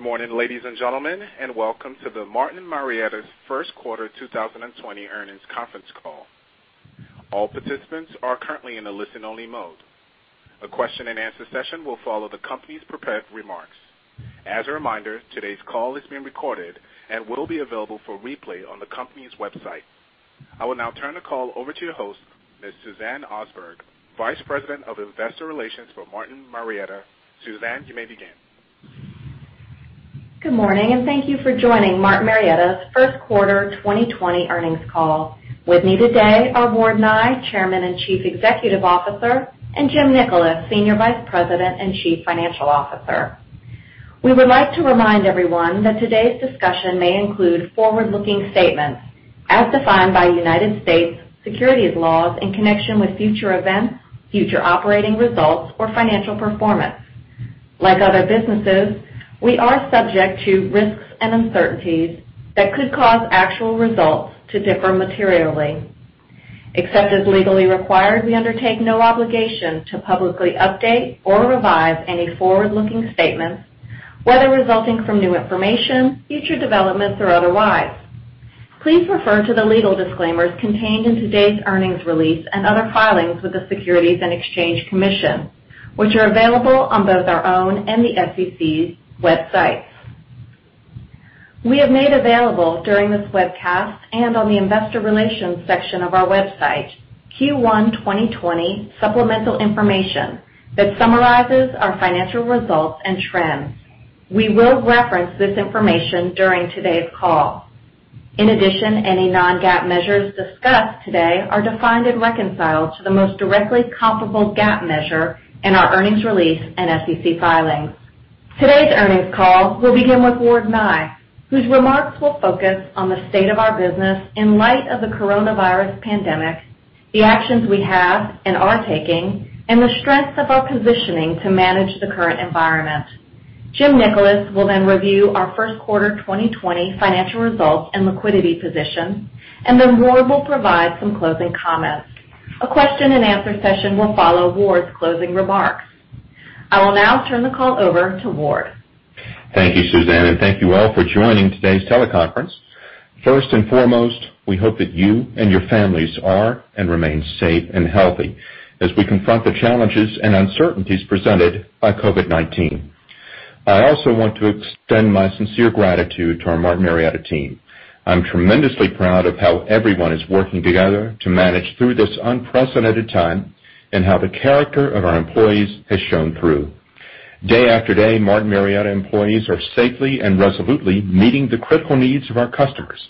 Good morning, ladies and gentlemen, and welcome to the Martin Marietta's first quarter 2020 earnings conference call. All participants are currently in a listen-only mode. A question-and-answer session will follow the company's prepared remarks. As a reminder, today's call is being recorded and will be available for replay on the company's website. I will now turn the call over to your host, Ms. Suzanne Osberg, Vice President of Investor Relations for Martin Marietta. Suzanne, you may begin. Good morning, and thank you for joining Martin Marietta's first quarter 2020 earnings call. With me today are Ward Nye, Chairman and Chief Executive Officer, and Jim Nickolas, Senior Vice President and Chief Financial Officer. We would like to remind everyone that today's discussion may include forward-looking statements as defined by United States securities laws in connection with future events, future operating results, or financial performance. Like other businesses, we are subject to risks and uncertainties that could cause actual results to differ materially. Except as legally required, we undertake no obligation to publicly update or revise any forward-looking statements, whether resulting from new information, future developments, or otherwise. Please refer to the legal disclaimers contained in today's earnings release and other filings with the Securities and Exchange Commission, which are available on both our own and the SEC's websites. We have made available during this webcast and on the investor relations section of our website, Q1 2020 supplemental information that summarizes our financial results and trends. We will reference this information during today's call. Any non-GAAP measures discussed today are defined and reconciled to the most directly comparable GAAP measure in our earnings release and SEC filings. Today's earnings call will begin with Ward Nye, whose remarks will focus on the state of our business in light of the coronavirus pandemic, the actions we have and are taking, and the strengths of our positioning to manage the current environment. Jim Nickolas will then review our first quarter 2020 financial results and liquidity position, and then Ward will provide some closing comments. A question-and-answer session will follow Ward's closing remarks. I will now turn the call over to Ward. Thank you, Suzanne, and thank you all for joining today's teleconference. First and foremost, we hope that you and your families are and remain safe and healthy as we confront the challenges and uncertainties presented by COVID-19. I also want to extend my sincere gratitude to our Martin Marietta team. I'm tremendously proud of how everyone is working together to manage through this unprecedented time and how the character of our employees has shown through. Day after day, Martin Marietta employees are safely and resolutely meeting the critical needs of our customers.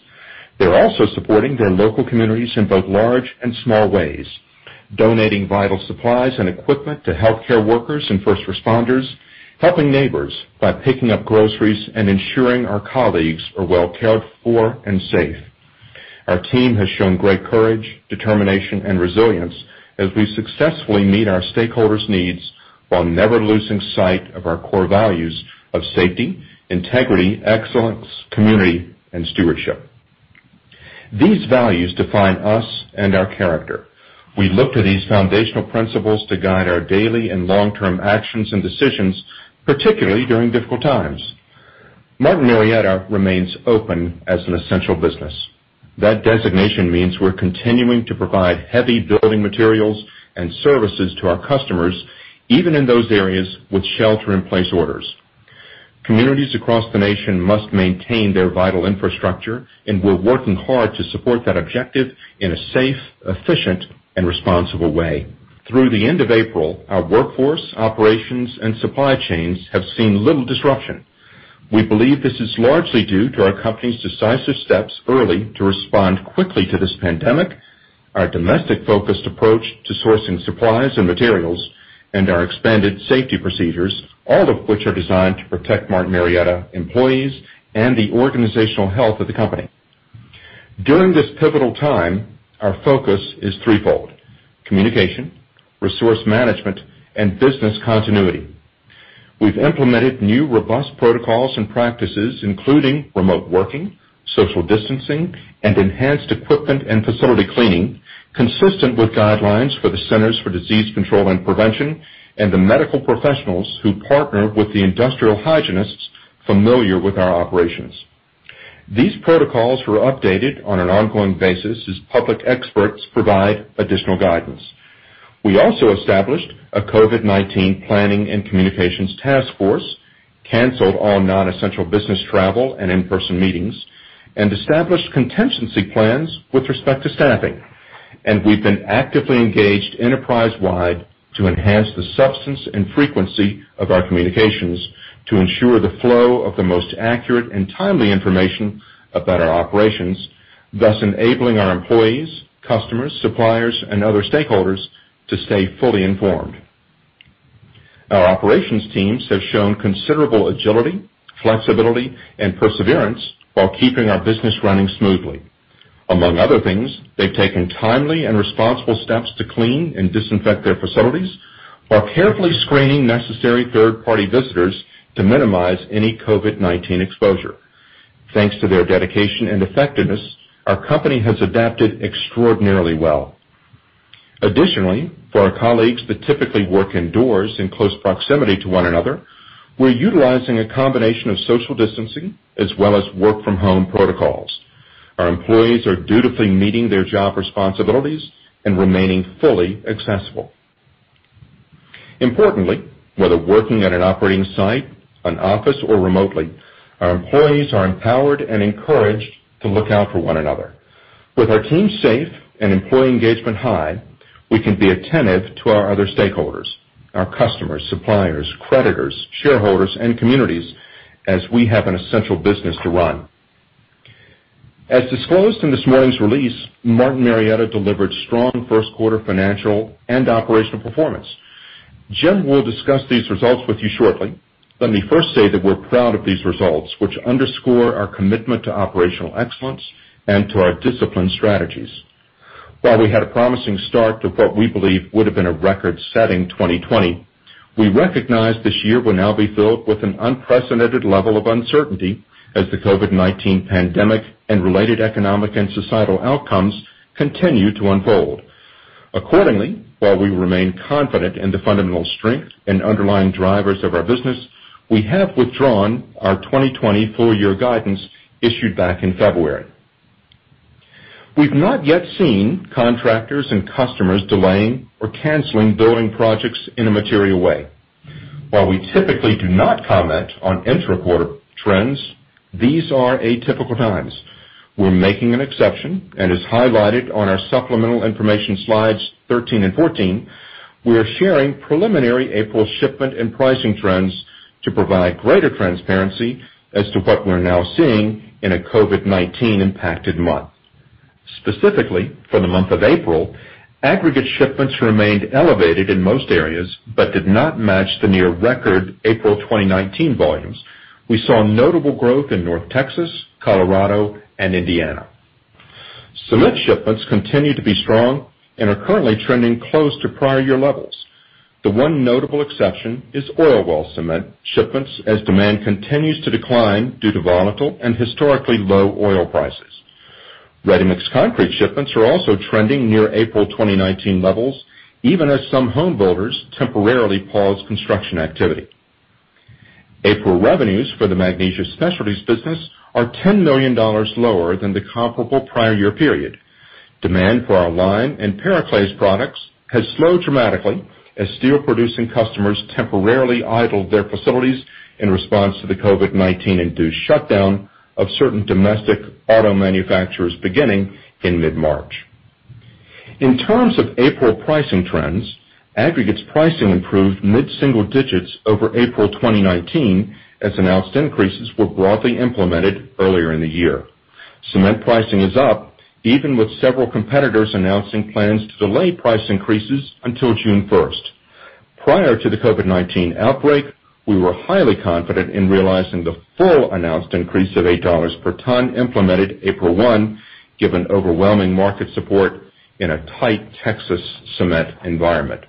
They're also supporting their local communities in both large and small ways, donating vital supplies and equipment to healthcare workers and first responders, helping neighbors by picking up groceries, and ensuring our colleagues are well cared for and safe. Our team has shown great courage, determination, and resilience as we successfully meet our stakeholders' needs while never losing sight of our core values of safety, integrity, excellence, community, and stewardship. These values define us and our character. We look to these foundational principles to guide our daily and long-term actions and decisions, particularly during difficult times. Martin Marietta remains open as an essential business. That designation means we're continuing to provide heavy building materials and services to our customers, even in those areas with shelter in place orders. Communities across the nation must maintain their vital infrastructure, and we're working hard to support that objective in a safe, efficient, and responsible way. Through the end of April, our workforce, operations, and supply chains have seen little disruption. We believe this is largely due to our company's decisive steps early to respond quickly to this pandemic, our domestic-focused approach to sourcing supplies and materials, and our expanded safety procedures, all of which are designed to protect Martin Marietta employees and the organizational health of the company. During this pivotal time, our focus is threefold: communication, resource management, and business continuity. We've implemented new, robust protocols and practices, including remote working, social distancing, and enhanced equipment and facility cleaning, consistent with guidelines for the Centers for Disease Control and Prevention and the medical professionals who partner with the industrial hygienists familiar with our operations. These protocols were updated on an ongoing basis as public experts provide additional guidance. We also established a COVID-19 planning and communications task force, canceled all non-essential business travel and in-person meetings, and established contingency plans with respect to staffing. We've been actively engaged enterprise-wide to enhance the substance and frequency of our communications to ensure the flow of the most accurate and timely information about our operations, thus enabling our employees, customers, suppliers, and other stakeholders to stay fully informed. Our operations teams have shown considerable agility, flexibility, and perseverance while keeping our business running smoothly. Among other things, they've taken timely and responsible steps to clean and disinfect their facilities while carefully screening necessary third-party visitors to minimize any COVID-19 exposure. Thanks to their dedication and effectiveness, our company has adapted extraordinarily well. For our colleagues that typically work indoors in close proximity to one another, we're utilizing a combination of social distancing as well as work from home protocols. Our employees are dutifully meeting their job responsibilities and remaining fully accessible. Importantly, whether working at an operating site, an office, or remotely, our employees are empowered and encouraged to look out for one another. With our team safe and employee engagement high, we can be attentive to our other stakeholders, our customers, suppliers, creditors, shareholders, and communities as we have an essential business to run. As disclosed in this morning's release, Martin Marietta delivered strong first quarter financial and operational performance. Jim will discuss these results with you shortly. Let me first say that we're proud of these results, which underscore our commitment to operational excellence and to our disciplined strategies. While we had a promising start to what we believe would've been a record-setting 2020, we recognize this year will now be filled with an unprecedented level of uncertainty as the COVID-19 pandemic and related economic and societal outcomes continue to unfold. Accordingly, while we remain confident in the fundamental strength and underlying drivers of our business, we have withdrawn our 2020 full year guidance issued back in February. We've not yet seen contractors and customers delaying or canceling building projects in a material way. While we typically do not comment on intra-quarter trends, these are atypical times. We're making an exception, and as highlighted on our supplemental information slides 13 and 14, we are sharing preliminary April shipment and pricing trends to provide greater transparency as to what we're now seeing in a COVID-19 impacted month. Specifically, for the month of April, aggregate shipments remained elevated in most areas, but did not match the near record April 2019 volumes. We saw notable growth in North Texas, Colorado, and Indiana. Select shipments continue to be strong and are currently trending close to prior year levels. The one notable exception is oil well cement shipments as demand continues to decline due to volatile and historically low oil prices. Ready Mixed Concrete shipments are also trending near April 2019 levels, even as some home builders temporarily pause construction activity. April revenues for the Magnesia Specialties business are $10 million lower than the comparable prior year period. Demand for our lime and periclase products has slowed dramatically as steel producing customers temporarily idled their facilities in response to the COVID-19 induced shutdown of certain domestic auto manufacturers beginning in mid-March. In terms of April pricing trends, aggregates pricing improved mid-single-digits over April 2019 as announced increases were broadly implemented earlier in the year. Cement pricing is up even with several competitors announcing plans to delay price increases until June 1st. Prior to the COVID-19 outbreak, we were highly confident in realizing the full announced increase of $8 per ton implemented April 1, given overwhelming market support in a tight Texas cement environment.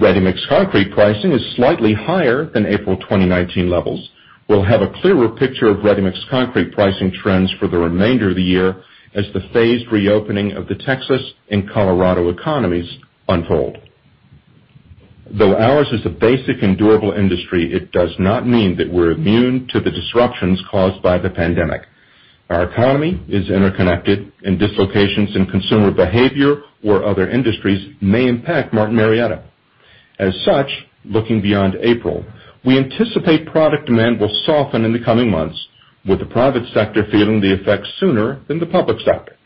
Ready-mix concrete pricing is slightly higher than April 2019 levels. We'll have a clearer picture of ready-mix concrete pricing trends for the remainder of the year as the phased reopening of the Texas and Colorado economies unfold. Though ours is a basic and durable industry, it does not mean that we're immune to the disruptions caused by the pandemic. Our economy is interconnected and dislocations in consumer behavior or other industries may impact Martin Marietta. As such, looking beyond April, we anticipate product demand will soften in the coming months with the private sector feeling the effects sooner than the public sector.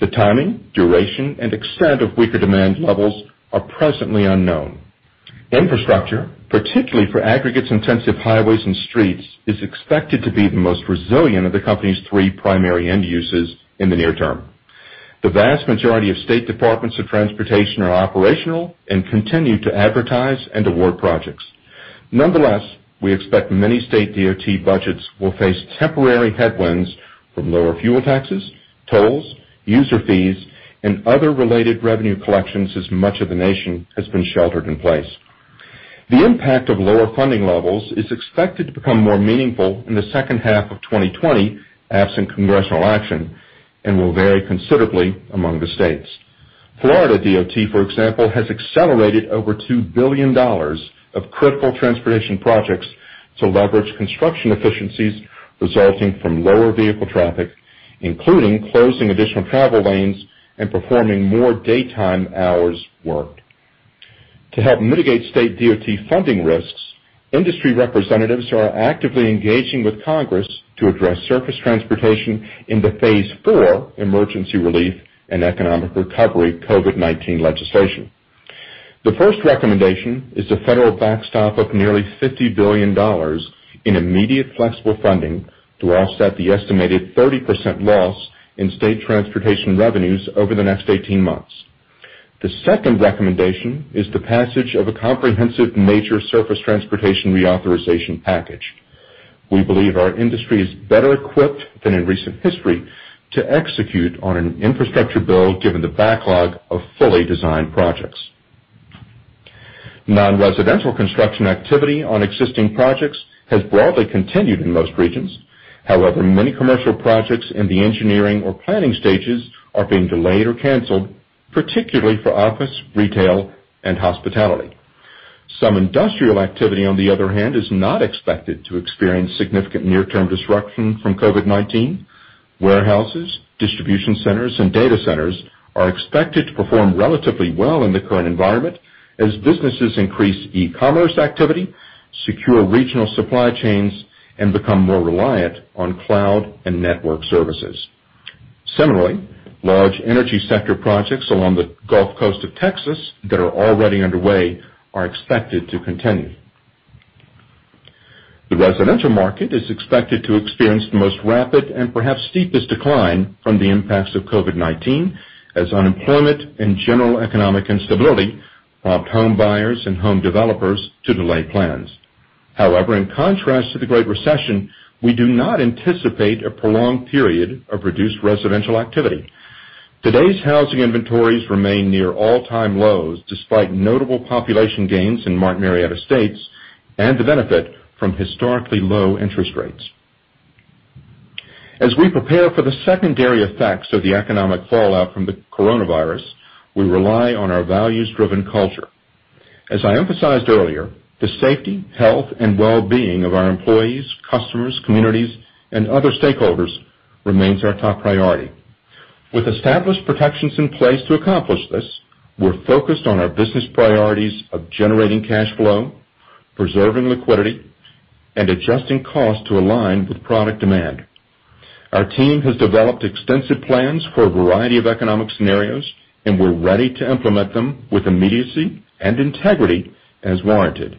The timing, duration, and extent of weaker demand levels are presently unknown. Infrastructure, particularly for aggregates intensive highways and streets, is expected to be the most resilient of the company's three primary end uses in the near-term. The vast majority of state departments of transportation are operational and continue to advertise and award projects. Nonetheless, we expect many state DOT budgets will face temporary headwinds from lower fuel taxes, tolls, user fees, and other related revenue collections as much of the nation has been sheltered in place. The impact of lower funding levels is expected to become more meaningful in the second half of 2020, absent congressional action, and will vary considerably among the states. Florida DOT, for example, has accelerated over $2 billion of critical transportation projects to leverage construction efficiencies resulting from lower vehicle traffic, including closing additional travel lanes and performing more daytime hours worked. To help mitigate state DOT funding risks, industry representatives are actively engaging with Congress to address surface transportation in the phase IV emergency relief and economic recovery COVID-19 legislation. The first recommendation is the federal backstop of nearly $50 billion in immediate flexible funding to offset the estimated 30% loss in state transportation revenues over the next 18 months. The second recommendation is the passage of a comprehensive major surface transportation reauthorization package. We believe our industry is better equipped than in recent history to execute on an infrastructure bill given the backlog of fully designed projects. Non-residential construction activity on existing projects has broadly continued in most regions. Many commercial projects in the engineering or planning stages are being delayed or canceled, particularly for office, retail, and hospitality. Some industrial activity, on the other hand, is not expected to experience significant near-term disruption from COVID-19. Warehouses, distribution centers, and data centers are expected to perform relatively well in the current environment as businesses increase e-commerce activity, secure regional supply chains, and become more reliant on cloud and network services. Similarly, large energy sector projects along the Gulf Coast of Texas that are already underway are expected to continue. The residential market is expected to experience the most rapid and perhaps steepest decline from the impacts of COVID-19, as unemployment and general economic instability prompt homebuyers and home developers to delay plans. However, in contrast to the Great Recession, we do not anticipate a prolonged period of reduced residential activity. Today's housing inventories remain near all-time lows, despite notable population gains in Martin Marietta states and the benefit from historically low interest rates. As we prepare for the secondary effects of the economic fallout from the coronavirus, we rely on our values-driven culture. As I emphasized earlier, the safety, health, and well-being of our employees, customers, communities, and other stakeholders remains our top priority. With established protections in place to accomplish this, we're focused on our business priorities of generating cash flow, preserving liquidity, and adjusting costs to align with product demand. Our team has developed extensive plans for a variety of economic scenarios. We're ready to implement them with immediacy and integrity as warranted.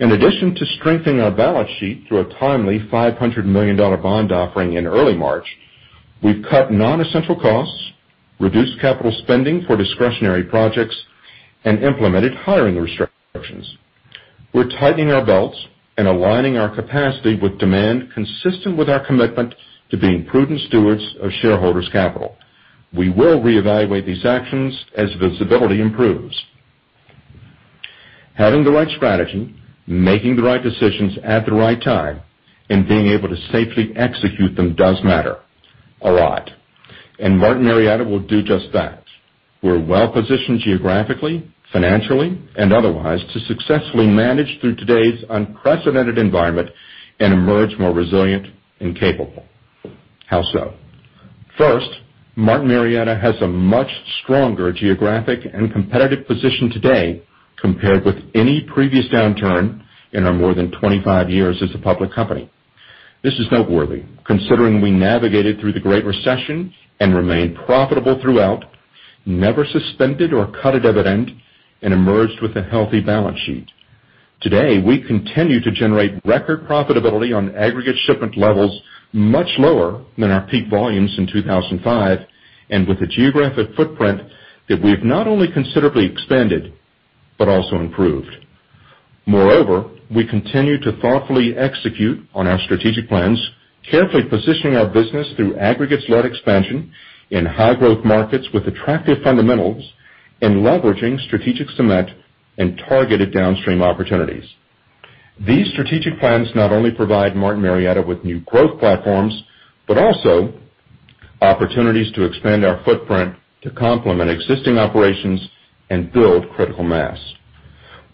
In addition to strengthening our balance sheet through a timely $500 million bond offering in early March, we've cut non-essential costs, reduced capital spending for discretionary projects, and implemented hiring restrictions. We're tightening our belts and aligning our capacity with demand consistent with our commitment to being prudent stewards of shareholders' capital. We will reevaluate these actions as visibility improves. Having the right strategy, making the right decisions at the right time, and being able to safely execute them does matter a lot. Martin Marietta will do just that. We're well positioned geographically, financially, and otherwise to successfully manage through today's unprecedented environment and emerge more resilient and capable. How so? First, Martin Marietta has a much stronger geographic and competitive position today compared with any previous downturn in our more than 25 years as a public company. This is noteworthy considering we navigated through the Great Recession and remained profitable throughout, never suspended or cut a dividend, and emerged with a healthy balance sheet. Today, we continue to generate record profitability on aggregate shipment levels much lower than our peak volumes in 2005, and with a geographic footprint that we've not only considerably expanded but also improved. Moreover, we continue to thoughtfully execute on our strategic plans, carefully positioning our business through aggregates-led expansion in high-growth markets with attractive fundamentals in leveraging strategic cement and targeted downstream opportunities. These strategic plans not only provide Martin Marietta with new growth platforms, but also opportunities to expand our footprint to complement existing operations and build critical mass.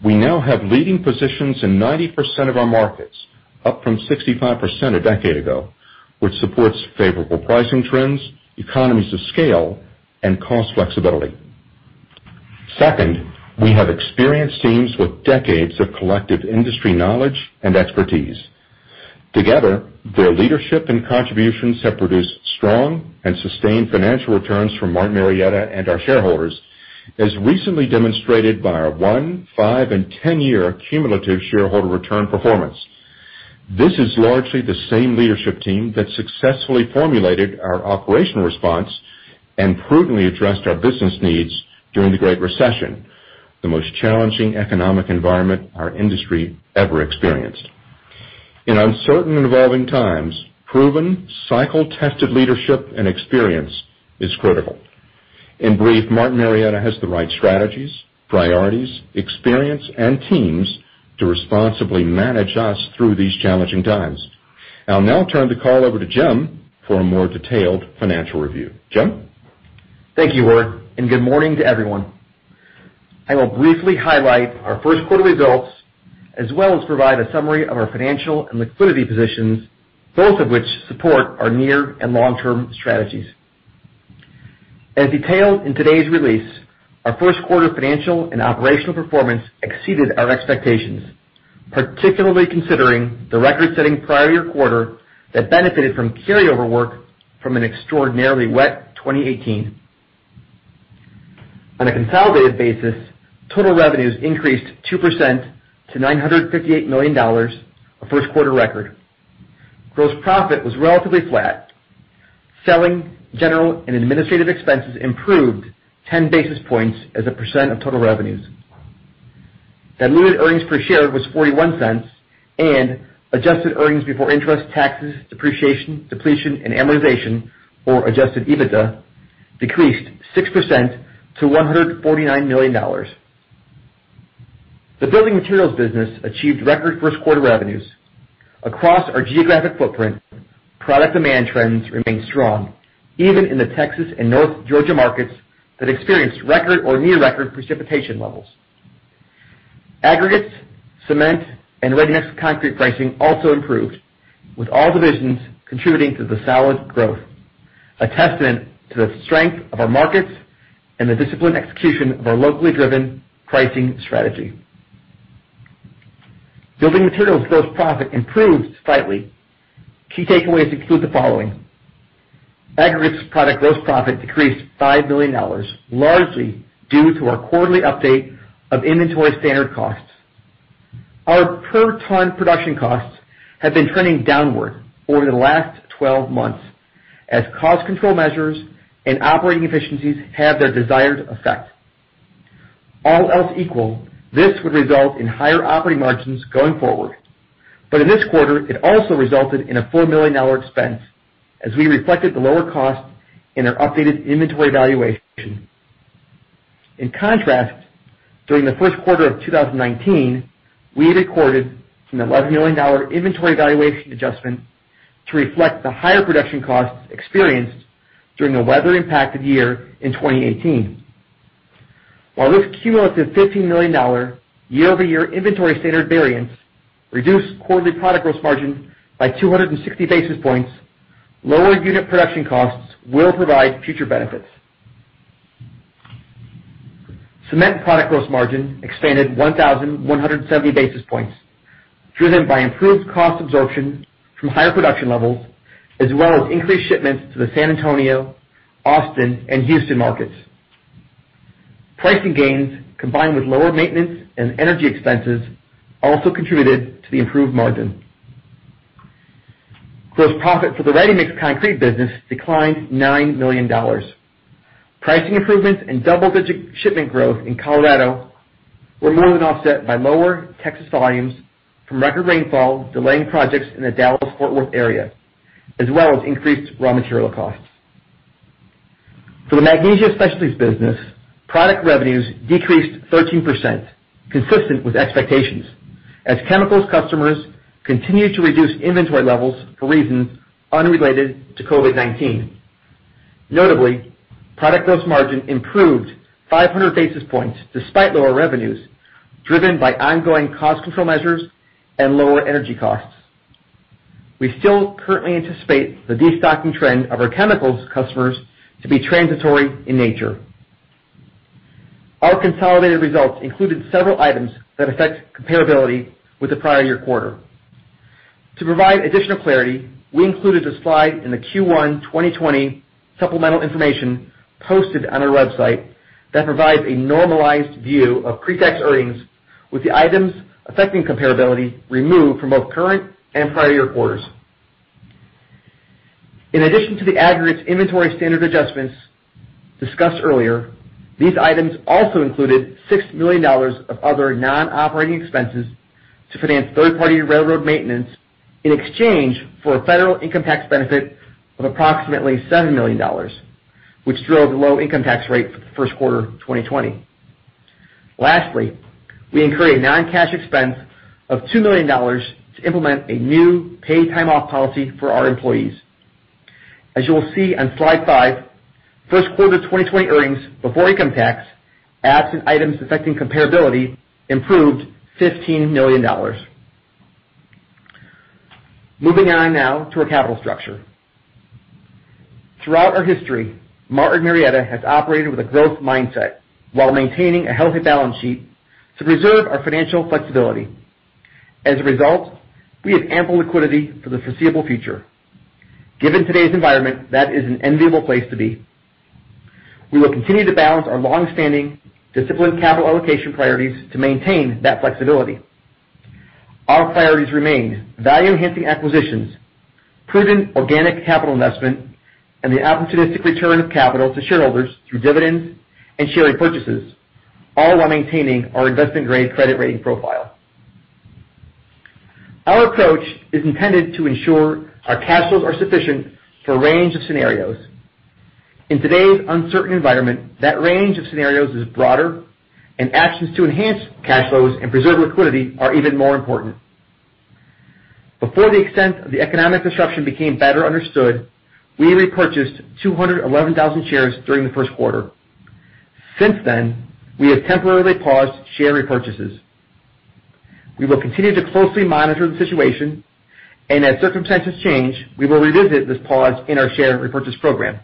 We now have leading positions in 90% of our markets, up from 65% a decade ago, which supports favorable pricing trends, economies of scale, and cost flexibility. Second, we have experienced teams with decades of collective industry knowledge and expertise. Together, their leadership and contributions have produced strong and sustained financial returns for Martin Marietta and our shareholders, as recently demonstrated by our one, five, and 10-year cumulative shareholder return performance. This is largely the same leadership team that successfully formulated our operational response and prudently addressed our business needs during the Great Recession, the most challenging economic environment our industry ever experienced. In uncertain and evolving times, proven cycle-tested leadership and experience is critical. In brief, Martin Marietta has the right strategies, priorities, experience, and teams to responsibly manage us through these challenging times. I'll now turn the call over to Jim for a more detailed financial review. Jim? Thank you, Ward, good morning to everyone. I will briefly highlight our first quarterly results, as well as provide a summary of our financial and liquidity positions, both of which support our near and long-term strategies. As detailed in today's release, our first quarter financial and operational performance exceeded our expectations, particularly considering the record-setting prior year quarter that benefited from carryover work from an extraordinarily wet 2018. On a consolidated basis, total revenues increased 2% to $958 million, a first quarter record. Gross profit was relatively flat. Selling, general, and administrative expenses improved 10 basis points as a percent of total revenues. Diluted earnings per share was $0.41, and adjusted earnings before interest, taxes, depreciation, depletion, and amortization, or adjusted EBITDA decreased 6% to $149 million. The Building Materials business achieved record first quarter revenues. Across our geographic footprint, product demand trends remained strong, even in the Texas and North Georgia markets that experienced record or near record precipitation levels. Aggregates, cement, and ready-mix concrete pricing also improved, with all divisions contributing to the solid growth, a testament to the strength of our markets and the disciplined execution of our locally driven pricing strategy. Building Materials gross profit improved slightly. Key takeaways include the following: Aggregates product gross profit decreased $5 million, largely due to our quarterly update of inventory standard costs. Our per ton production costs have been trending downward over the last 12 months as cost control measures and operating efficiencies have their desired effect. All else equal, this would result in higher operating margins going forward. In this quarter, it also resulted in a $4 million expense as we reflected the lower cost in our updated inventory valuation. In contrast, during the first quarter of 2019, we recorded an $11 million inventory valuation adjustment to reflect the higher production costs experienced during the weather-impacted year in 2018. While this cumulative $15 million year-over-year inventory standard variance reduced quarterly product gross margin by 260 basis points, lower unit production costs will provide future benefits. Cement product gross margin expanded 1,170 basis points, driven by improved cost absorption from higher production levels, as well as increased shipments to the San Antonio, Austin and Houston markets. Pricing gains, combined with lower maintenance and energy expenses, also contributed to the improved margin. Gross profit for the ready-mix concrete business declined $9 million. Pricing improvements and double-digit shipment growth in Colorado were more than offset by lower Texas volumes from record rainfall delaying projects in the Dallas-Fort Worth area, as well as increased raw material costs. For the Magnesia Specialties business, product revenues decreased 13%, consistent with expectations, as chemicals customers continued to reduce inventory levels for reasons unrelated to COVID-19. Notably, product gross margin improved 500 basis points despite lower revenues, driven by ongoing cost control measures and lower energy costs. We still currently anticipate the destocking trend of our chemicals customers to be transitory in nature. Our consolidated results included several items that affect comparability with the prior year quarter. To provide additional clarity, we included a slide in the Q1 2020 supplemental information posted on our website that provides a normalized view of pre-tax earnings, with the items affecting comparability removed from both current and prior year quarters. In addition to the aggregates inventory standard adjustments discussed earlier, these items also included $6 million of other non-operating expenses to finance third party railroad maintenance in exchange for a federal income tax benefit of approximately $7 million, which drove the low income tax rate for the first quarter 2020. Lastly, we incurred a non-cash expense of $2 million to implement a new paid time off policy for our employees. As you will see on slide five, first quarter 2020 earnings before income tax, absent items affecting comparability, improved $15 million. Moving on now to our capital structure. Throughout our history, Martin Marietta has operated with a growth mindset while maintaining a healthy balance sheet to preserve our financial flexibility. As a result, we have ample liquidity for the foreseeable future. Given today's environment, that is an enviable place to be. We will continue to balance our longstanding disciplined capital allocation priorities to maintain that flexibility. Our priorities remain value enhancing acquisitions, prudent organic capital investment, and the opportunistic return of capital to shareholders through dividends and share repurchases, all while maintaining our investment-grade credit rating profile. Our approach is intended to ensure our cash flows are sufficient for a range of scenarios. In today's uncertain environment, that range of scenarios is broader and actions to enhance cash flows and preserve liquidity are even more important. Before the extent of the economic disruption became better understood, we repurchased 211,000 shares during the first quarter. Since then, we have temporarily paused share repurchases. We will continue to closely monitor the situation, and as circumstances change, we will revisit this pause in our share repurchase program.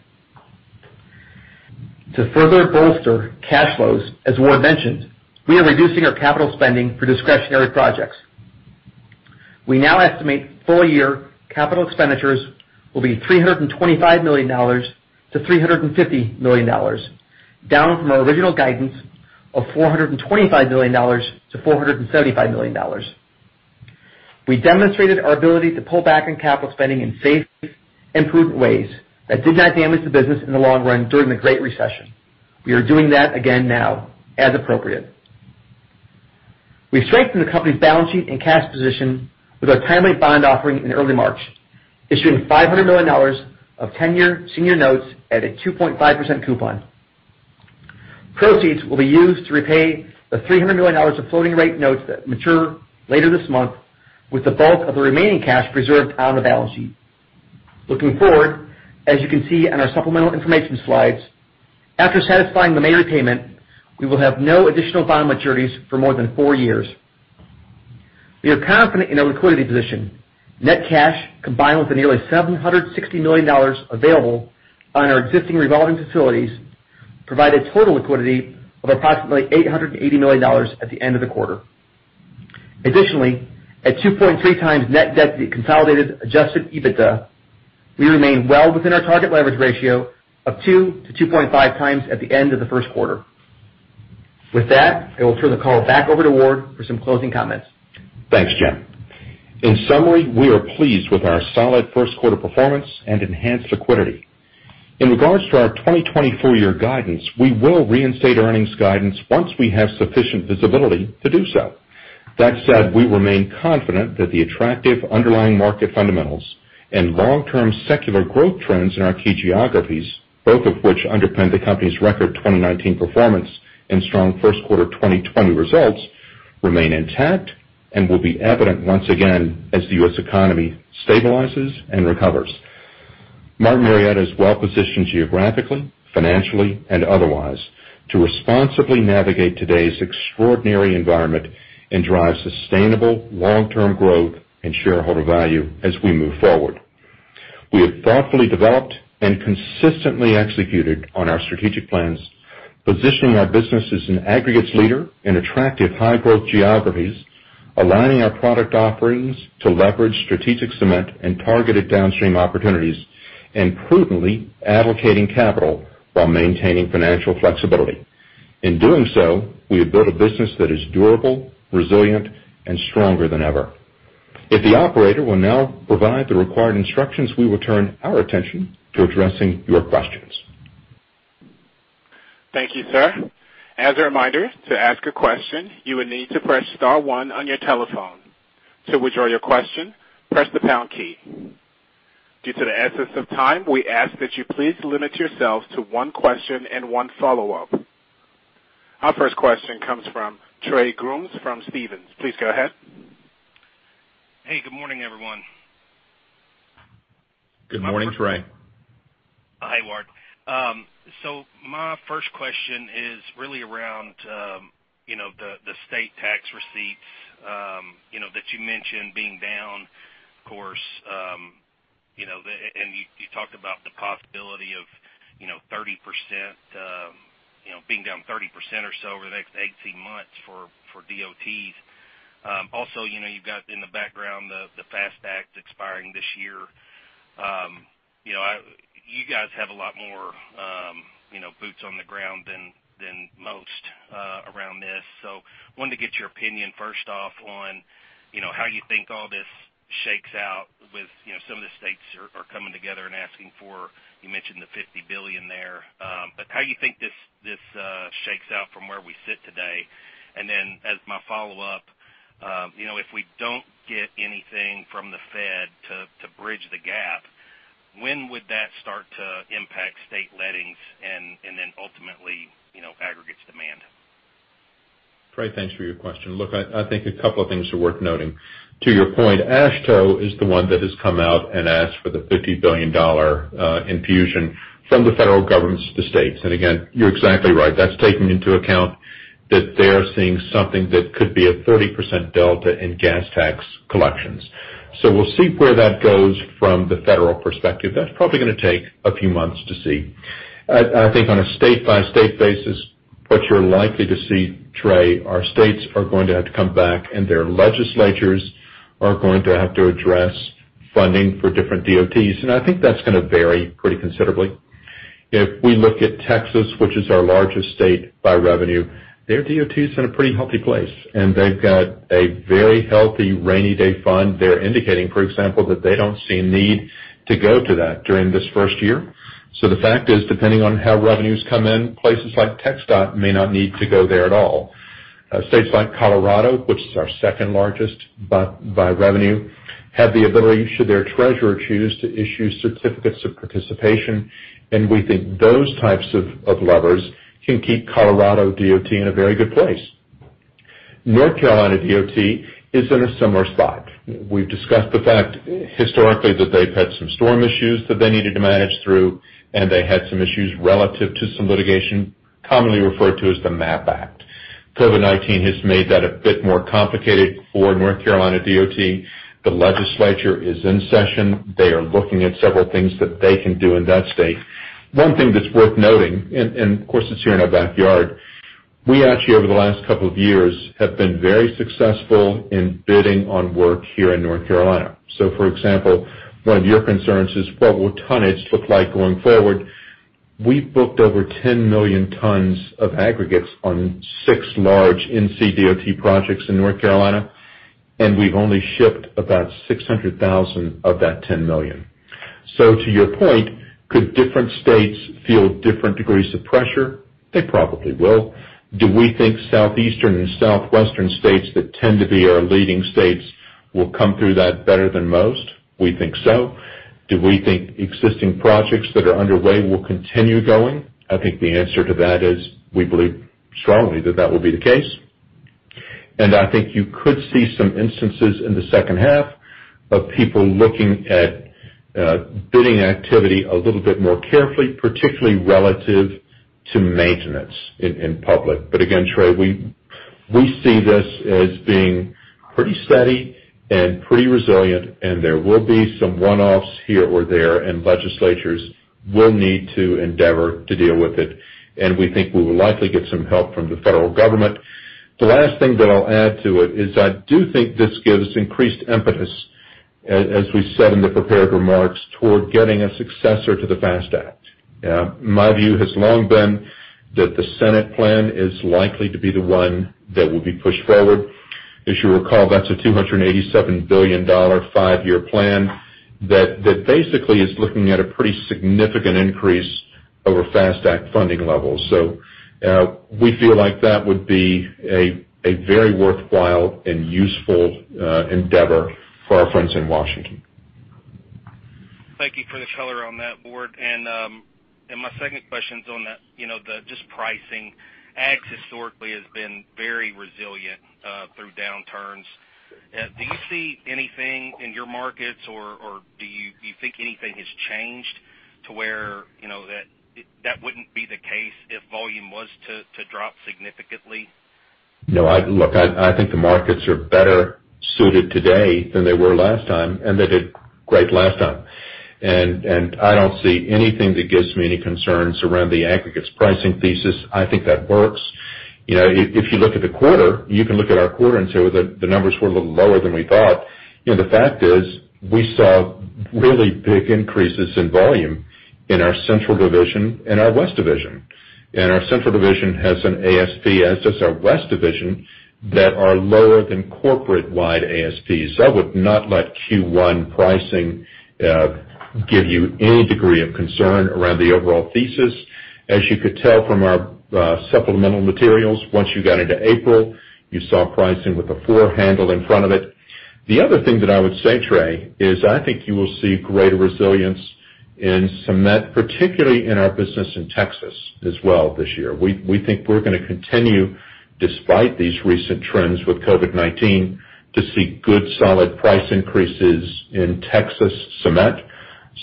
To further bolster cash flows, as Ward mentioned, we are reducing our capital spending for discretionary projects. We now estimate full year capital expenditures will be $325 million-$350 million, down from our original guidance of $425 million-$475 million. We demonstrated our ability to pull back on capital spending in safe and prudent ways that did not damage the business in the long run during the Great Recession. We are doing that again now as appropriate. We've strengthened the company's balance sheet and cash position with our timely bond offering in early March, issuing $500 million of tenure senior notes at a 2.5% coupon. Proceeds will be used to repay the $300 million of floating rate notes that mature later this month, with the bulk of the remaining cash preserved on the balance sheet. Looking forward, as you can see on our supplemental information slides, after satisfying the May repayment, we will have no additional bond maturities for more than four years. We are confident in our liquidity position. Net cash, combined with the nearly $760 million available on our existing revolving facilities, provide a total liquidity of approximately $880 million at the end of the quarter. Additionally, at 2.3x net debt consolidated adjusted EBITDA, we remain well within our target leverage ratio of 2 to 2.5x at the end of the first quarter. With that, I will turn the call back over to Ward for some closing comments. Thanks, Jim. In summary, we are pleased with our solid first quarter performance and enhanced liquidity. In regards to our 2024 year guidance, we will reinstate earnings guidance once we have sufficient visibility to do so. That said, we remain confident that the attractive underlying market fundamentals and long-term secular growth trends in our key geographies, both of which underpin the company's record 2019 performance and strong first quarter 2020 results, remain intact and will be evident once again as the U.S. economy stabilizes and recovers. Martin Marietta is well-positioned geographically, financially, and otherwise to responsibly navigate today's extraordinary environment and drive sustainable long-term growth and shareholder value as we move forward. We have thoughtfully developed and consistently executed on our strategic plans, positioning our business as an aggregates leader in attractive high-growth geographies, aligning our product offerings to leverage strategic cement and targeted downstream opportunities, and prudently advocating capital while maintaining financial flexibility. In doing so, we have built a business that is durable, resilient, and stronger than ever. If the operator will now provide the required instructions, we will turn our attention to addressing your questions. Thank you, sir. As a reminder, to ask a question, you will need to press star one on your telephone. To withdraw your question, press the pound key. Due to the essence of time, we ask that you please limit yourselves to one question and one follow-up. Our first question comes from Trey Grooms from Stephens. Please go ahead. Hey, good morning, everyone. Good morning, Trey. Hi, Ward. My first question is really around the state tax receipts that you mentioned being down, of course, and you talked about the possibility of being down 30% or so over the next 18 months for DOTs. Also, you've got in the background the FAST Act expiring this year. You guys have a lot more boots on the ground than most around this. Wanted to get your opinion first off on how you think all this shakes out with some of the states are coming together and asking for, you mentioned the $50 billion there. How you think this shakes out from where we sit today? As my follow-up, if we don't get anything from the Fed to bridge the gap, when would that start to impact state lettings and then ultimately aggregates demand? Trey, thanks for your question. I think a couple of things are worth noting. To your point, AASHTO is the one that has come out and asked for the $50 billion infusion from the federal government to states. Again, you're exactly right. That's taking into account that they're seeing something that could be a 30% delta in gas tax collections. We'll see where that goes from the federal perspective. That's probably going to take a few months to see. I think on a state-by-state basis, what you're likely to see, Trey, our states are going to have to come back, and their legislatures are going to have to address funding for different DOTs, and I think that's going to vary pretty considerably. If we look at Texas, which is our largest state by revenue, their DOT is in a pretty healthy place, and they've got a very healthy rainy day fund. They're indicating, for example, that they don't see a need to go to that during this first year. The fact is, depending on how revenues come in, places like TxDOT may not need to go there at all. States like Colorado, which is our second largest by revenue, have the ability, should their treasurer choose, to issue certificates of participation, and we think those types of levers can keep Colorado DOT in a very good place. North Carolina DOT is in a similar spot. We've discussed the fact, historically, that they've had some storm issues that they needed to manage through, and they had some issues relative to some litigation, commonly referred to as the MAP Act. COVID-19 has made that a bit more complicated for North Carolina DOT. The legislature is in session. They are looking at several things that they can do in that state. One thing that's worth noting, and of course, it's here in our backyard, we actually, over the last couple of years, have been very successful in bidding on work here in North Carolina. For example, one of your concerns is what will tonnage look like going forward? We've booked over 10 million tons of aggregates on six large NCDOT projects in North Carolina, and we've only shipped about 600,000 of that 10 million. To your point, could different states feel different degrees of pressure? They probably will. Do we think Southeastern and Southwestern states that tend to be our leading states will come through that better than most? We think so. Do we think existing projects that are underway will continue going? I think the answer to that is, we believe strongly that that will be the case. I think you could see some instances in the second half of people looking at bidding activity a little bit more carefully, particularly relative to maintenance in public. Again, Trey, we see this as being pretty steady and pretty resilient. There will be some one-offs here or there, and legislatures will need to endeavor to deal with it. We think we will likely get some help from the federal government. The last thing that I'll add to it is I do think this gives increased impetus, as we said in the prepared remarks, toward getting a successor to the FAST Act. My view has long been that the Senate plan is likely to be the one that will be pushed forward. As you recall, that's a $287 billion five-year plan that basically is looking at a pretty significant increase over FAST Act funding levels. We feel like that would be a very worthwhile and useful endeavor for our friends in Washington. Thank you for the color on that, Ward. My second question's on just pricing. Agg historically has been very resilient through downturns. Do you see anything in your markets or do you think anything has changed to where that wouldn't be the case if volume was to drop significantly? No. Look, I think the markets are better suited today than they were last time, and they did great last time. I don't see anything that gives me any concerns around the aggregates pricing thesis. I think that works. If you look at the quarter, you can look at our quarter and say the numbers were a little lower than we thought. The fact is, we saw really big increases in volume in our Central Division and our West Division. Our Central Division has an ASP, as does our West Division, that are lower than corporate-wide ASPs. I would not let Q1 pricing give you any degree of concern around the overall thesis. As you could tell from our supplemental materials, once you got into April, you saw pricing with a four handle in front of it. The other thing that I would say, Trey, is I think you will see greater resilience in cement, particularly in our business in Texas as well this year. We think we're going to continue, despite these recent trends with COVID-19, to see good, solid price increases in Texas cement.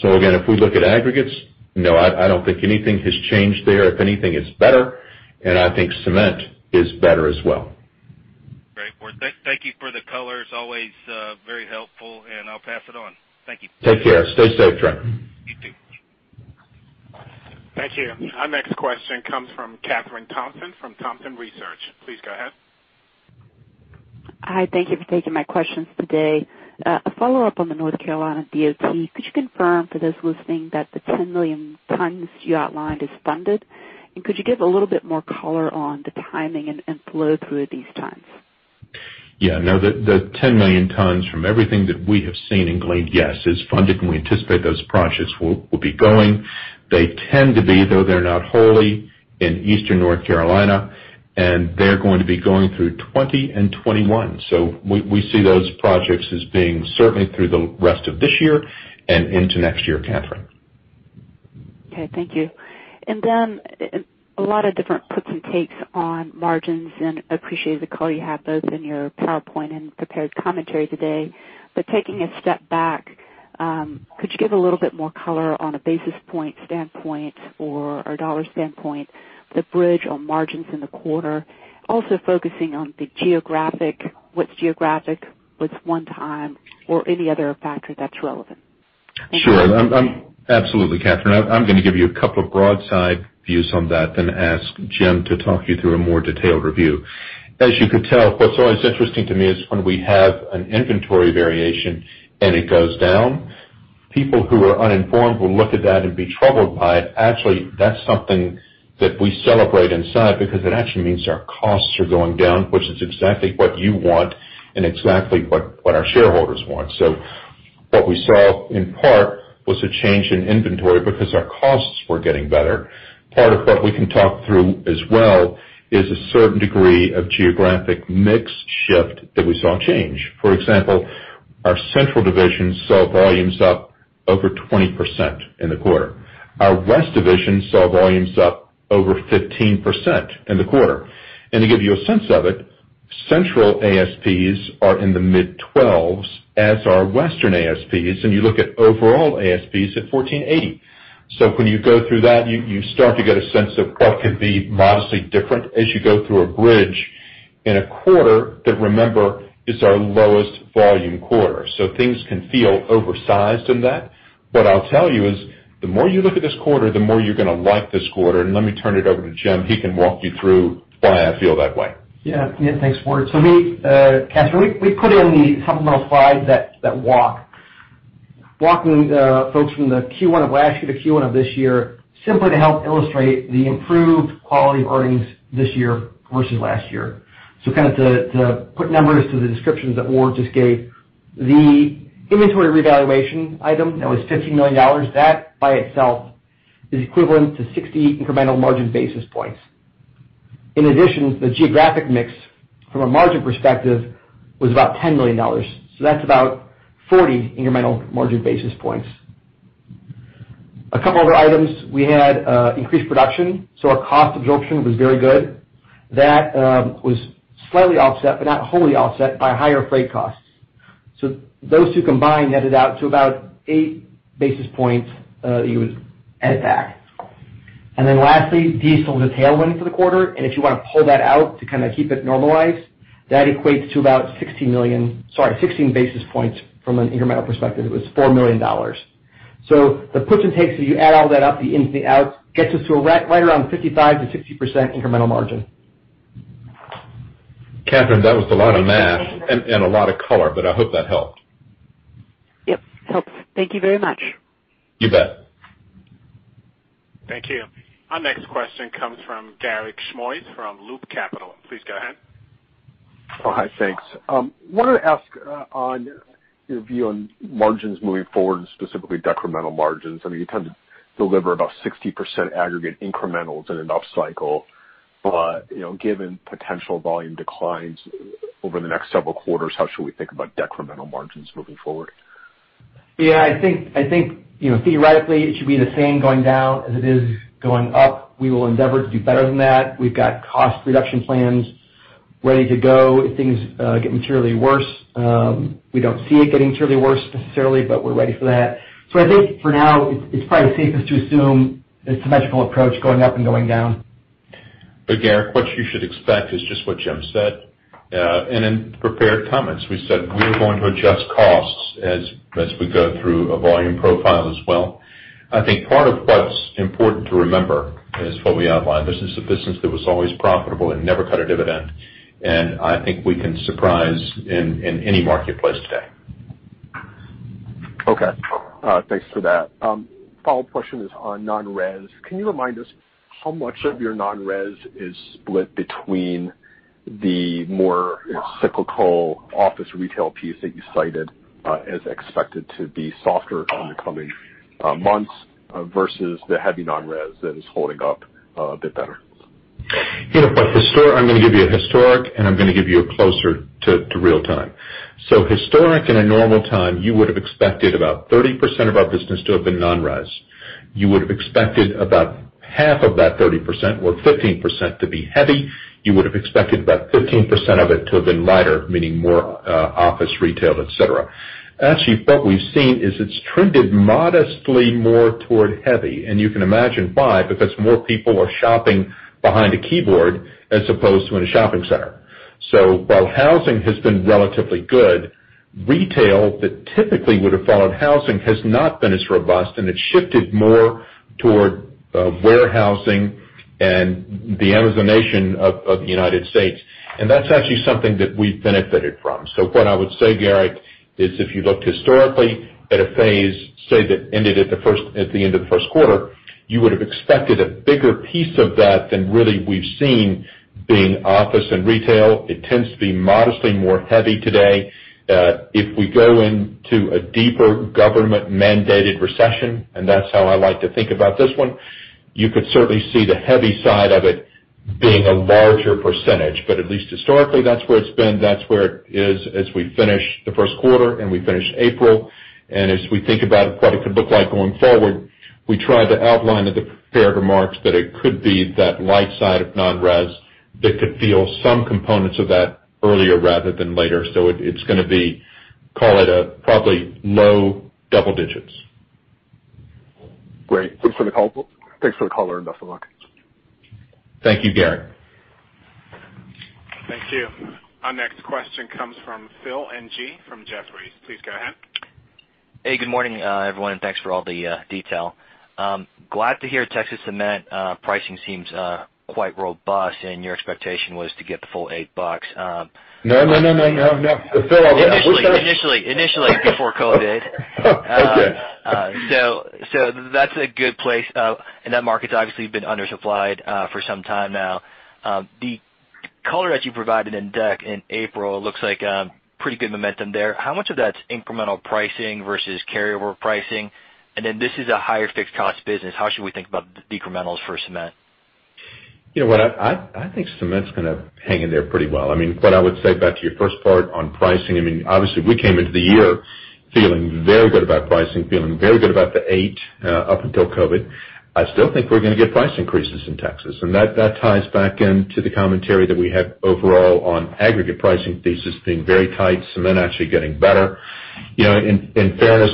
Again, if we look at aggregates, no, I don't think anything has changed there. If anything, it's better, and I think cement is better as well. Great, Ward. Thank you for the colors. Always very helpful, and I'll pass it on. Thank you. Take care. Stay safe, Trey. You, too. Thank you. Our next question comes from Kathryn Thompson from Thompson Research. Please go ahead. Hi. Thank you for taking my questions today. A follow-up on the North Carolina DOT. Could you confirm for those listening that the 10 million tons you outlined is funded? Could you give a little bit more color on the timing and flow through these tons? Yeah, no. The 10 million tons, from everything that we have seen and gleaned, yes, is funded, and we anticipate those projects will be going. They tend to be, though they're not wholly, in Eastern North Carolina, and they're going to be going through 2020 and 2021. We see those projects as being certainly through the rest of this year and into next year, Kathryn. Okay, thank you. A lot of different puts and takes on margins, and appreciate the call you have both in your PowerPoint and prepared commentary today. Taking a step back, could you give a little bit more color on a basis point standpoint or a dollar standpoint, the bridge on margins in the quarter, also focusing on the geographic, what's geographic, what's one time, or any other factor that's relevant? Sure. Absolutely, Kathryn. I'm going to give you a couple of broad side views on that, then ask Jim to talk you through a more detailed review. As you could tell, what's always interesting to me is when we have an inventory variation and it goes down. People who are uninformed will look at that and be troubled by it. Actually, that's something that we celebrate inside because it actually means our costs are going down, which is exactly what you want and exactly what our shareholders want. What we saw, in part, was a change in inventory because our costs were getting better. Part of what we can talk through as well is a certain degree of geographic mix shift that we saw change. For example, our Central Division saw volumes up over 20% in the quarter. Our West Division saw volumes up over 15% in the quarter. To give you a sense of it, Central ASPs are in the mid-12s, as are Western ASPs, and you look at overall ASPs at $14.80. When you go through that, you start to get a sense of what could be modestly different as you go through a bridge in a quarter that, remember, is our lowest volume quarter. Things can feel oversized in that. What I'll tell you is, the more you look at this quarter, the more you're going to like this quarter, and let me turn it over to Jim. He can walk you through why I feel that way. Yeah. Thanks, Ward. Kathryn, we put in the supplemental slides that walk, walking folks from the Q1 of last year to Q1 of this year, simply to help illustrate the improved quality of earnings this year versus last year. To put numbers to the descriptions that Ward just gave, the inventory revaluation item that was $15 million, that by itself is equivalent to 60 incremental margin basis points. In addition, the geographic mix from a margin perspective was about $10 million. That's about 40 incremental margin basis points. A couple other items, we had increased production, so our cost absorption was very good. That was slightly offset, but not wholly offset, by higher freight costs. Those two combined netted out to about eight basis points that you would add back. Lastly, diesel was a tailwind for the quarter, and if you want to pull that out to kind of keep it normalized, that equates to about 16 basis points from an incremental perspective. It was $4 million. The push and pull, so you add all that up, the ins and the outs, gets us to right around 55%-60% incremental margin. Kathryn, that was a lot of math and a lot of color. I hope that helped. Yep, helps. Thank you very much. You bet. Thank you. Our next question comes from Garik Shmois from Loop Capital. Please go ahead. Hi. Thanks. I wanted to ask on your view on margins moving forward and specifically decremental margins. You tend to deliver about 60% aggregate incrementals in an up cycle. Given potential volume declines over the next several quarters, how should we think about decremental margins moving forward? Yeah, I think, theoretically it should be the same going down as it is going up. We will endeavor to do better than that. We've got cost reduction plans ready to go if things get materially worse. We don't see it getting materially worse necessarily, but we're ready for that. I think for now, it's probably safest to assume a symmetrical approach going up and going down. Garik, what you should expect is just what Jim said. In prepared comments, we said we're going to adjust costs as we go through a volume profile as well. I think part of what's important to remember is what we outlined. This is a business that was always profitable and never cut a dividend, and I think we can surprise in any marketplace today. Okay. Thanks for that. Follow-up question is on non-res. Can you remind us how much of your non-res is split between the more cyclical office retail piece that you cited as expected to be softer in the coming months versus the heavy non-res that is holding up a bit better? I'm going to give you a historic, and I'm going to give you a closer to real time. Historic in a normal time, you would have expected about 30% of our business to have been non-res. You would have expected about half of that 30%, or 15%, to be heavy. You would have expected about 15% of it to have been lighter, meaning more office retail, et cetera. Actually, what we've seen is it's trended modestly more toward heavy, and you can imagine why, because more people are shopping behind a keyboard as opposed to in a shopping center. While housing has been relatively good, retail that typically would have followed housing has not been as robust, and it's shifted more toward warehousing and the Amazonization of the United States. That's actually something that we've benefited from. What I would say, Garik, is if you looked historically at a phase, say, that ended at the end of the first quarter, you would have expected a bigger piece of that than really we've seen being office and retail. It tends to be modestly more heavy today. If we go into a deeper government-mandated recession, and that's how I like to think about this one, you could certainly see the heavy side of it being a larger percentage. At least historically, that's where it's been, that's where it is as we finish the first quarter and we finish April. As we think about what it could look like going forward, we tried to outline in the prepared remarks that it could be that light side of non-res that could feel some components of that earlier rather than later. It's going to be, call it a probably low-double-digits. Great. Thanks for the color, and best of luck. Thank you, Garik. Thank you. Our next question comes from Phil Ng from Jefferies. Please go ahead. Good morning, everyone, thanks for all the detail. Glad to hear Texas cement pricing seems quite robust and your expectation was to get the full $8. No. Initially. Before COVID. Okay. That's a good place, that market's obviously been undersupplied for some time now. The color that you provided in deck in April looks like pretty good momentum there. How much of that's incremental pricing versus carryover pricing? This is a higher fixed cost business. How should we think about decrementals for cement? You know what? I think cement's going to hang in there pretty well. What I would say back to your first part on pricing, obviously we came into the year feeling very good about pricing, feeling very good about the year up until COVID. I still think we're going to get price increases in Texas, and that ties back into the commentary that we had overall on aggregate pricing thesis being very tight, cement actually getting better. In fairness,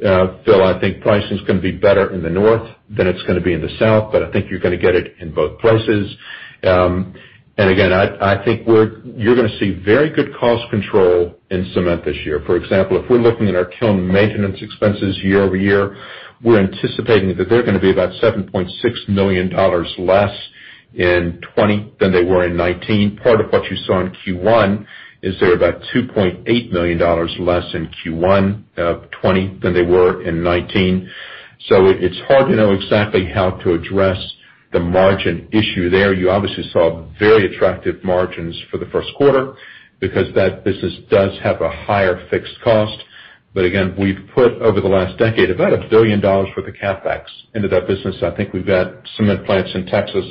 Phil, I think pricing's going to be better in the North than it's going to be in the South, but I think you're going to get it in both places. Again, I think you're going to see very good cost control in cement this year. For example, if we're looking at our kiln maintenance expenses year-over-year, we're anticipating that they're going to be about $7.6 million less in 2020 than they were in 2019. Part of what you saw in Q1 is they're about $2.8 million less in Q1 of 2020 than they were in 2019. It's hard to know exactly how to address the margin issue there, you obviously saw very attractive margins for the first quarter because that business does have a higher fixed cost. Again, we've put over the last decade about $1 billion worth of CapEx into that business. I think we've got cement plants in Texas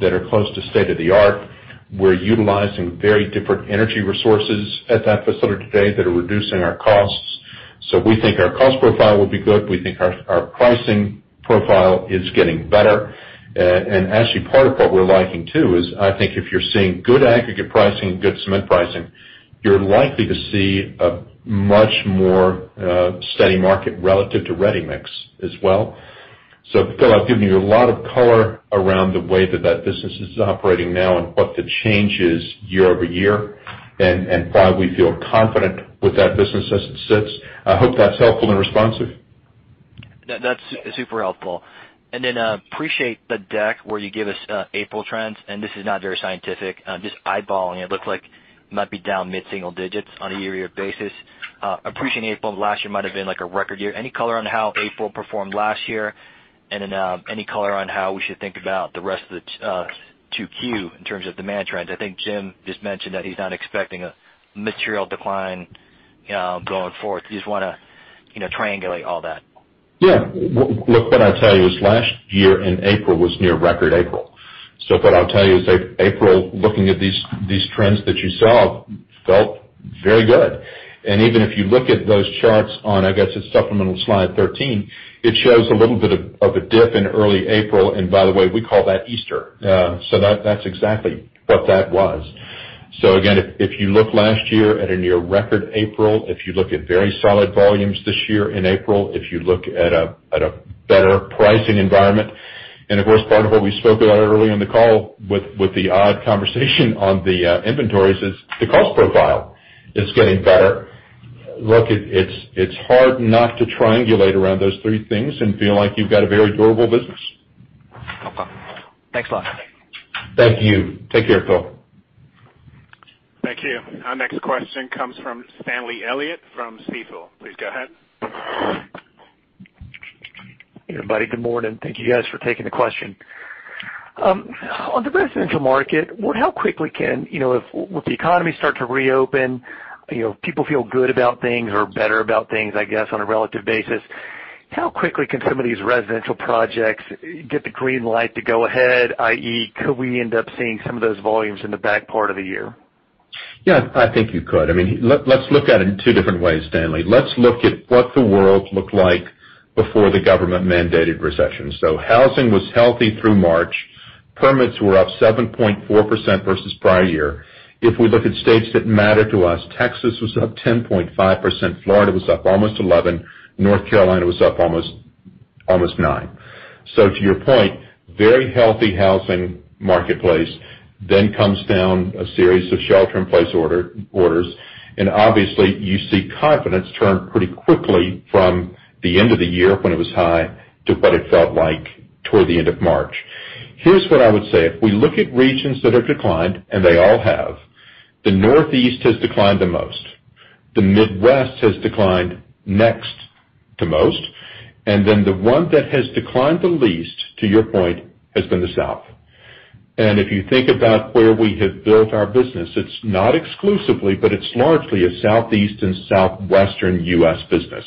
that are close to state-of-the-art. We're utilizing very different energy resources at that facility today that are reducing our costs. We think our cost profile will be good. We think our pricing profile is getting better. Actually, part of what we're liking too is, I think if you're seeing good aggregate pricing, good cement pricing, you're likely to see a much more steady market relative to ready-mix as well. Phil, I've given you a lot of color around the way that business is operating now and what the change is year-over-year, and why we feel confident with that business as it sits. I hope that's helpful and responsive. That's super helpful. Appreciate the deck where you give us April trends. This is not very scientific, just eyeballing it. It looks like it might be down mid-single-digits on a year-over-year basis. Appreciate April of last year might have been like a record year. Any color on how April performed last year? Any color on how we should think about the rest of the 2Q in terms of demand trends? I think Jim just mentioned that he's not expecting a material decline going forth. Just want to triangulate all that. What I'll tell you is last year in April was near record April. What I'll tell you is April, looking at these trends that you saw, felt very good. Even if you look at those charts on, I guess it's supplemental slide 13, it shows a little bit of a dip in early April. By the way, we call that Easter. That's exactly what that was. Again, if you look last year at a near record April, if you look at very solid volumes this year in April, if you look at a better pricing environment. Of course, part of what we spoke about early in the call with the odd conversation on the inventories is the cost profile is getting better. It's hard not to triangulate around those three things and feel like you've got a very durable business. Okay. Thanks a lot. Thank you. Take care, Phil. Thank you. Our next question comes from Stanley Elliott from Stifel. Please go ahead. Hey, everybody. Good morning. Thank you guys for taking the question. On the residential market, with the economy starting to reopen, people feel good about things or better about things, I guess, on a relative basis, how quickly can some of these residential projects get the green light to go ahead, i.e., could we end up seeing some of those volumes in the back part of the year? Yeah, I think you could. Let's look at it in two different ways, Stanley. Let's look at what the world looked like before the government-mandated recession. Housing was healthy through March. Permits were up 7.4% versus prior year. If we look at states that matter to us, Texas was up 10.5%, Florida was up almost 11%, North Carolina was up almost 9%. To your point, very healthy housing marketplace then comes down a series of shelter-in-place orders, and obviously, you see confidence turn pretty quickly from the end of the year when it was high to what it felt like toward the end of March. Here's what I would say. If we look at regions that have declined, and they all have, the Northeast has declined the most, the Midwest has declined next to most, the one that has declined the least, to your point, has been the South. If you think about where we have built our business, it's not exclusively, but it's largely a Southeast and Southwestern U.S. business.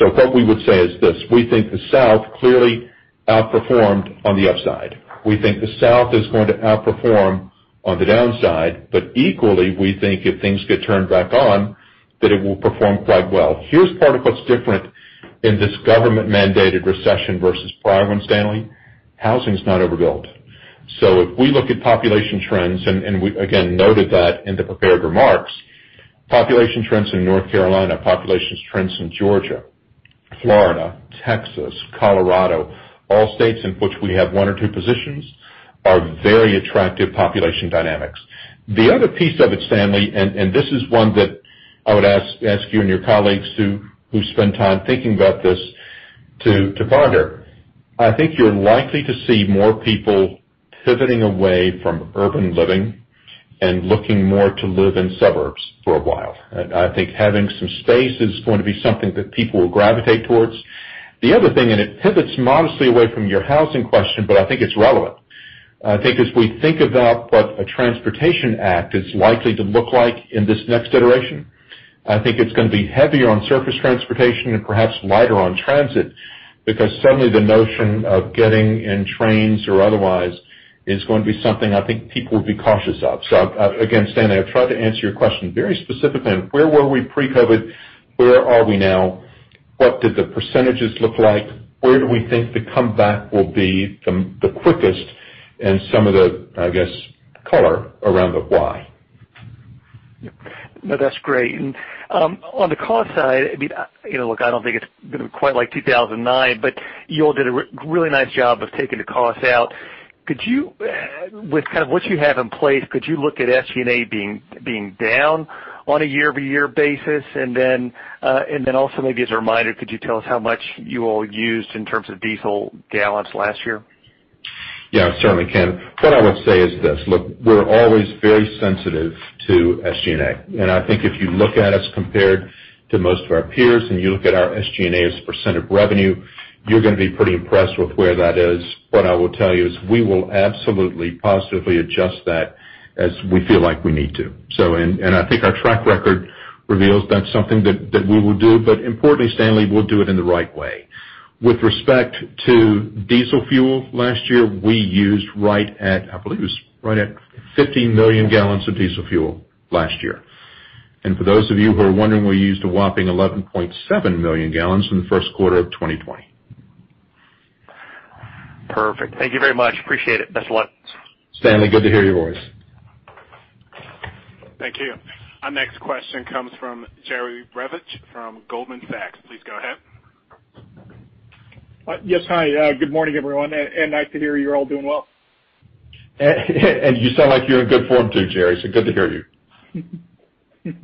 What we would say is this, we think the South clearly outperformed on the upside. We think the South is going to outperform on the downside, but equally, we think if things get turned back on, that it will perform quite well. Here's part of what's different in this government-mandated recession versus prior one, Stanley. Housing is not overbuilt. If we look at population trends, and we, again, noted that in the prepared remarks, population trends in North Carolina, populations trends in Georgia, Florida, Texas, Colorado, all states in which we have one or two positions, are very attractive population dynamics. The other piece of it, Stanley, and this is one that I would ask you and your colleagues who spend time thinking about this to ponder. I think you're likely to see more people pivoting away from urban living and looking more to live in suburbs for a while. I think having some space is going to be something that people will gravitate towards. The other thing, and it pivots modestly away from your housing question, but I think it's relevant. I think as we think about what a transportation act is likely to look like in this next iteration, I think it's going to be heavier on surface transportation and perhaps lighter on transit because suddenly the notion of getting in trains or otherwise is going to be something I think people will be cautious of. Again, Stanley, I've tried to answer your question very specifically on where were we pre-COVID? Where are we now? What did the percentages look like? Where do we think the comeback will be the quickest? And some of the, I guess, color around the why. No, that's great. On the cost side, look, I don't think it's going to be quite like 2009, but you all did a really nice job of taking the cost out. With what you have in place, could you look at SG&A being down on a year-over-year basis? Also maybe as a reminder, could you tell us how much you all used in terms of diesel gallons last year? Yeah, certainly can. What I would say is this. Look, we're always very sensitive to SG&A. I think if you look at us compared to most of our peers, and you look at our SG&A as a percent of revenue, you're going to be pretty impressed with where that is. What I will tell you is we will absolutely, positively adjust that as we feel like we need to. I think our track record reveals that's something that we will do. Importantly, Stanley, we'll do it in the right way. With respect to diesel fuel, last year, we used, I believe it was right at 50 million gallons of diesel fuel last year. For those of you who are wondering, we used a whopping 11.7 million gallons in the first quarter of 2020. Perfect. Thank you very much. Appreciate it. Best of luck. Stanley, good to hear your voice. Thank you. Our next question comes from Jerry Revich from Goldman Sachs. Please go ahead. Yes. Hi. Good morning, everyone. Nice to hear you're all doing well. You sound like you're in good form, too, Jerry, so good to hear you.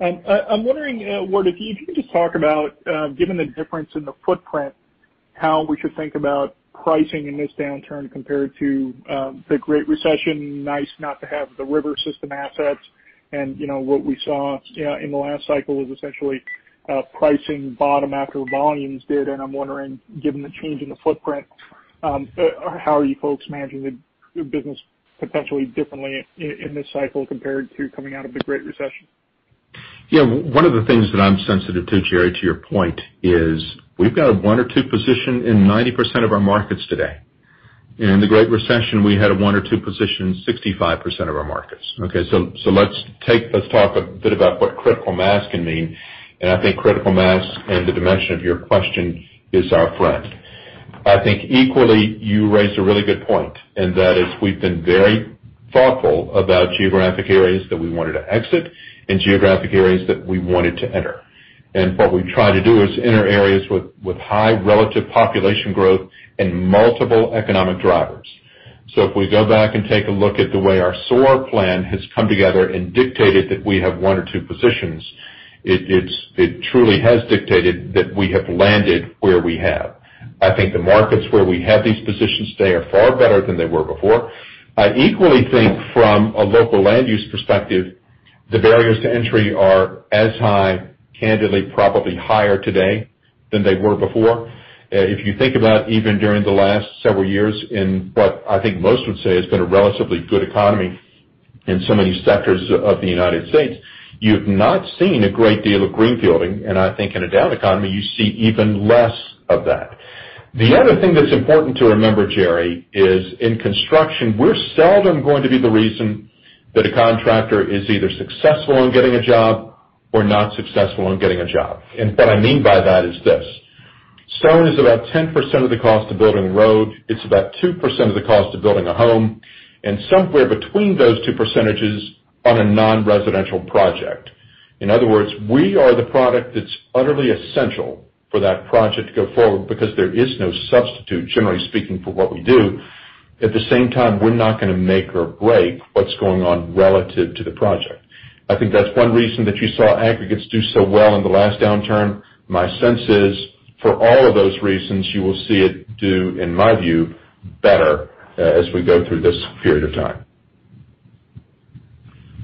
I'm wondering, Ward, if you could just talk about, given the difference in the footprint, how we should think about pricing in this downturn compared to the Great Recession. Nice not to have the river system assets. What we saw in the last cycle was essentially pricing bottom after volumes did. I'm wondering, given the change in the footprint, how are you folks managing the business potentially differently in this cycle compared to coming out of the Great Recession? Yeah, one of the things that I'm sensitive to, Jerry, to your point, is we've got a one or two position in 90% of our markets today. In the Great Recession, we had a one or two position in 65% of our markets, okay. Let's talk a bit about what critical mass can mean. I think critical mass and the dimension of your question is our friend. I think equally, you raised a really good point, and that is we've been very thoughtful about geographic areas that we wanted to exit and geographic areas that we wanted to enter. What we've tried to do is enter areas with high relative population growth and multiple economic drivers. If we go back and take a look at the way our SOAR plan has come together and dictated that we have one or two positions, it truly has dictated that we have landed where we have. I think the markets where we have these positions today are far better than they were before. I equally think from a local land use perspective, the barriers to entry are as high, candidly, probably higher today than they were before. If you think about even during the last several years in what I think most would say has been a relatively good economy in so many sectors of the United States, you've not seen a great deal of greenfielding. I think in a down economy, you see even less of that. The other thing that's important to remember, Jerry, is in construction, we're seldom going to be the reason that a contractor is either successful in getting a job or not successful in getting a job. What I mean by that is this. Stone is about 10% of the cost of building a road. It's about 2% of the cost of building a home, and somewhere between those two percentages on a non-residential project. In other words, we are the product that's utterly essential for that project to go forward because there is no substitute, generally speaking, for what we do. At the same time, we're not going to make or break what's going on relative to the project. I think that's one reason that you saw aggregates do so well in the last downturn. My sense is, for all of those reasons, you will see it do, in my view, better as we go through this period of time.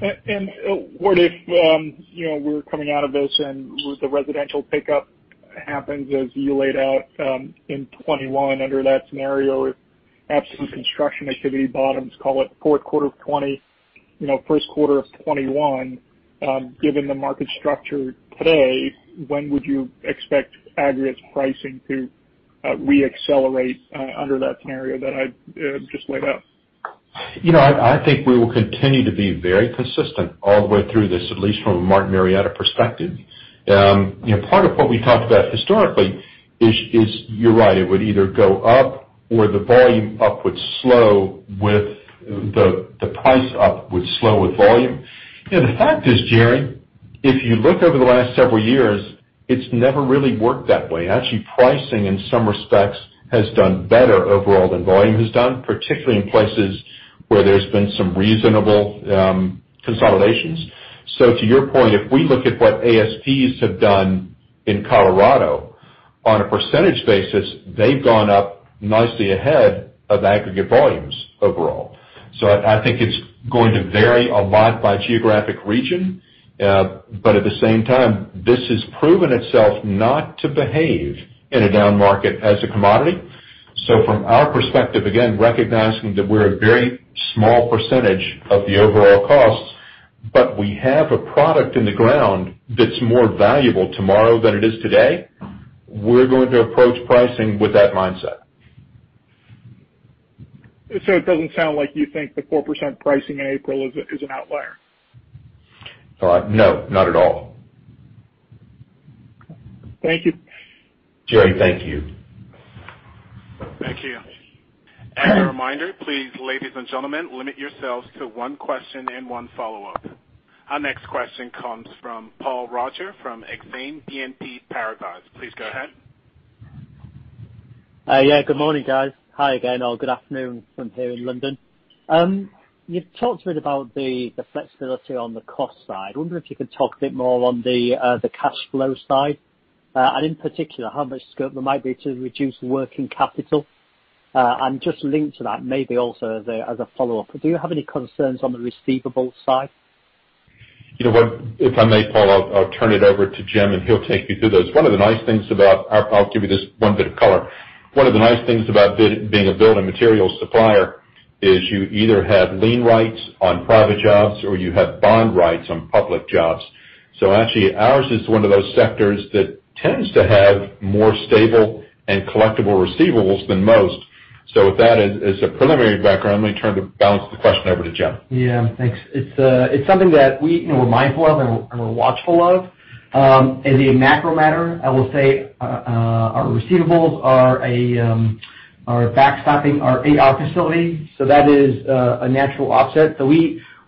Ward, if we're coming out of this and with the residential pickup happens as you laid out in 2021, under that scenario, if absolute construction activity bottoms, call it fourth quarter of 2020, first quarter of 2021, given the market structure today, when would you expect aggregates pricing to re-accelerate under that scenario that I just laid out? I think we will continue to be very consistent all the way through this, at least from a Martin Marietta perspective. Part of what we talked about historically is, you're right, it would either go up or the volume up would slow with the price up would slow with volume. The fact is, Jerry, if you look over the last several years, it's never really worked that way. Actually, pricing in some respects has done better overall than volume has done, particularly in places where there's been some reasonable consolidations. To your point, if we look at what ASPs have done in Colorado on a percentage basis, they've gone up nicely ahead of aggregate volumes overall. I think it's going to vary a lot by geographic region. At the same time, this has proven itself not to behave in a down market as a commodity. From our perspective, again, recognizing that we're a very small percentage of the overall costs, but we have a product in the ground that's more valuable tomorrow than it is today, we're going to approach pricing with that mindset. It doesn't sound like you think the 4% pricing in April is an outlier. No, not at all. Thank you. Jerry, thank you. Thank you. As a reminder, please, ladies and gentlemen, limit yourselves to one question and one follow-up. Our next question comes from Paul Roger from Exane BNP Paribas. Please go ahead. Yeah, good morning, guys. Hi again, all. Good afternoon from here in London. You've talked a bit about the flexibility on the cost side. I wonder if you could talk a bit more on the cash flow side. In particular, how much scope there might be to reduce working capital? Just linked to that maybe also as a follow-up, do you have any concerns on the receivables side? You know what, if I may, Paul, I'll turn it over to Jim, and he'll take you through those. I'll give you this one bit of color. One of the nice things about being a building materials supplier is you either have lien rights on private jobs or you have bond rights on public jobs. Actually, ours is one of those sectors that tends to have more stable and collectible receivables than most. With that as a preliminary background, let me turn to bounce the question over to Jim. Yeah, thanks. It's something that we're mindful of and we're watchful of. As a macro matter, I will say our receivables are backstopping our AR facility, that is a natural offset.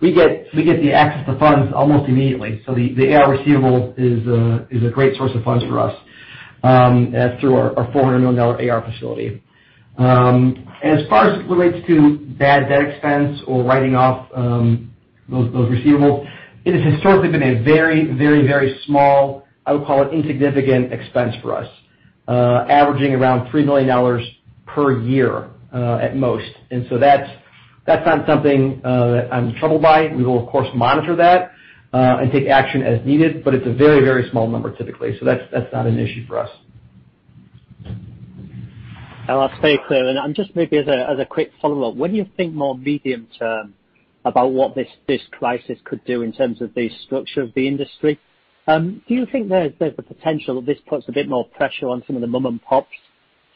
We get the access to funds almost immediately. The AR receivable is a great source of funds for us through our $400 million AR facility. As far as it relates to bad debt expense or writing off those receivables, it has historically been a very, very, very small, I would call it insignificant expense for us. Averaging around $3 million per year at most, that's not something that I'm troubled by. We will, of course, monitor that, and take action as needed, but it's a very, very small number typically. That's not an issue for us. That's very clear. Just maybe as a quick follow-up, when you think more medium-term about what this crisis could do in terms of the structure of the industry, do you think there's the potential that this puts a bit more pressure on some of the mom and pops,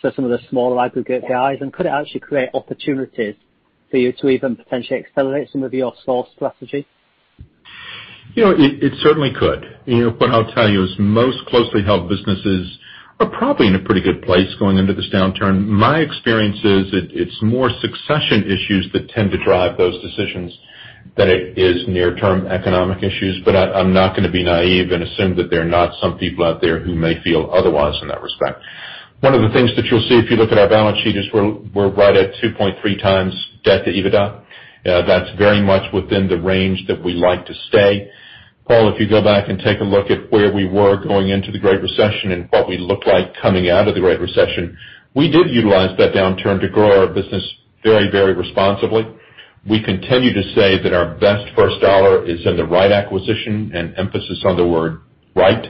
so some of the smaller aggregate guys? Could it actually create opportunities for you to even potentially accelerate some of your source strategies? It certainly could. What I'll tell you is most closely held businesses are probably in a pretty good place going into this downturn. My experience is it's more succession issues that tend to drive those decisions than it is near-term economic issues. I'm not going to be naive and assume that there are not some people out there who may feel otherwise in that respect. One of the things that you'll see if you look at our balance sheet is we're right at 2.3x debt to EBITDA. That's very much within the range that we like to stay. Paul, if you go back and take a look at where we were going into the Great Recession and what we looked like coming out of the Great Recession, we did utilize that downturn to grow our business very responsibly. We continue to say that our best first dollar is in the right acquisition and emphasis on the word right.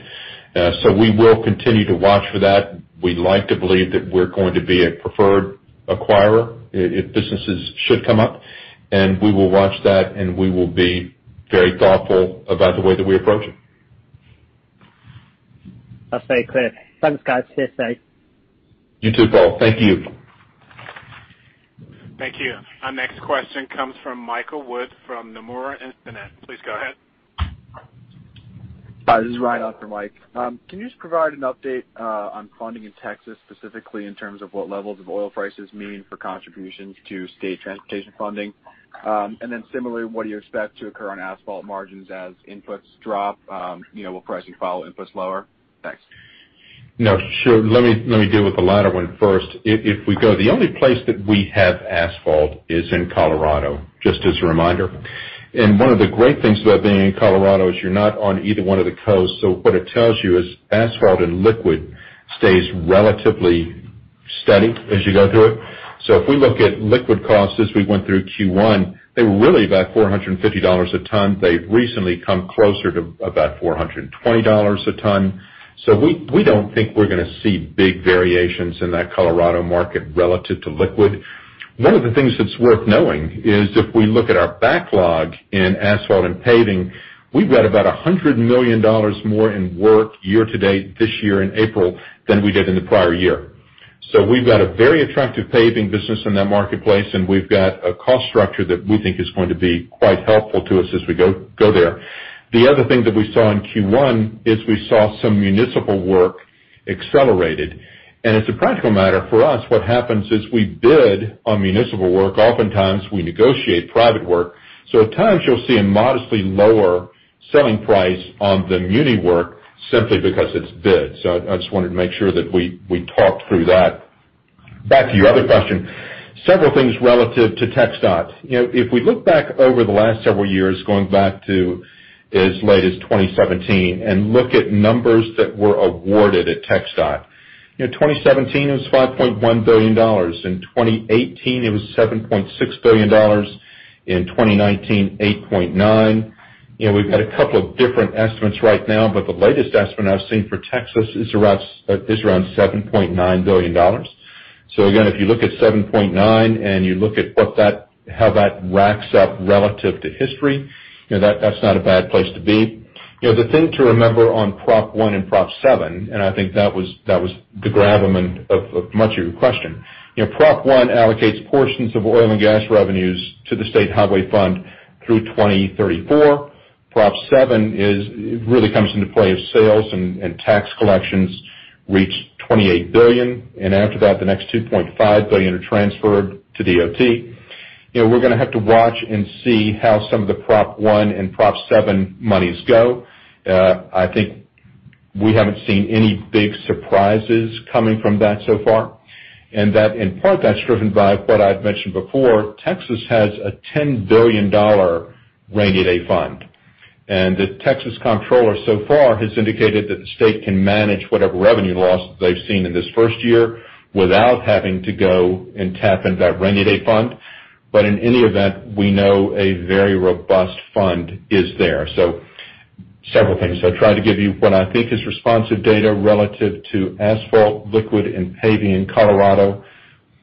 We will continue to watch for that. We like to believe that we're going to be a preferred acquirer if businesses should come up, and we will watch that, and we will be very thoughtful about the way that we approach it. That's very clear. Thanks, guys. Cheers. You too, Paul. Thank you. Thank you. Our next question comes from Michael Wood from Nomura Instinet. Please go ahead. Hi, this is Ryan after Mike. Can you just provide an update on funding in Texas, specifically in terms of what levels of oil prices mean for contributions to state transportation funding? Similarly, what do you expect to occur on asphalt margins as inputs drop? Will pricing follow inputs lower? Thanks. No, sure. Let me deal with the latter one first. The only place that we have asphalt is in Colorado, just as a reminder. One of the great things about being in Colorado is you're not on either one of the coasts, what it tells you is asphalt and liquid stays relatively steady as you go through it. If we look at liquid costs as we went through Q1, they were really about $450 a ton. They've recently come closer to about $420 a ton. We don't think we're going to see big variations in that Colorado market relative to liquid. One of the things that's worth knowing is if we look at our backlog in asphalt and paving, we've got about $100 million more in work year to date this year in April than we did in the prior year. We've got a very attractive paving business in that marketplace, and we've got a cost structure that we think is going to be quite helpful to us as we go there. The other thing that we saw in Q1 is we saw some municipal work accelerated. As a practical matter for us, what happens is we bid on municipal work. Oftentimes, we negotiate private work. At times you'll see a modestly lower selling price on the muni work simply because it's bid. I just wanted to make sure that we talked through that. Back to your other question. Several things relative to TxDOT. If we look back over the last several years, going back to as late as 2017, look at numbers that were awarded at TxDOT. 2017 was $5.1 billion. In 2018, it was $7.6 billion. In 2019, $8.9 billion. We've got a couple of different estimates right now, but the latest estimate I've seen for Texas is around $7.9 billion. Again, if you look at 7.9 and you look at how that racks up relative to history, that's not a bad place to be. The thing to remember on Prop 1 and Prop 7, and I think that was the gravamen of much of your question. Prop 1 allocates portions of oil and gas revenues to the State Highway Fund through 2034. Prop 7 really comes into play if sales and tax collections reach $28 billion, and after that, the next $2.5 billion are transferred to DOT. We're going to have to watch and see how some of the Prop 1 and Prop 7 monies go. I think we haven't seen any big surprises coming from that so far. That in part, that's driven by what I've mentioned before, Texas has a $10 billion rainy day fund. The Texas Comptroller so far has indicated that the state can manage whatever revenue losses they've seen in this first year without having to go and tap into that rainy day fund. In any event, we know a very robust fund is there. Several things. I tried to give you what I think is responsive data relative to asphalt, liquid, and paving in Colorado,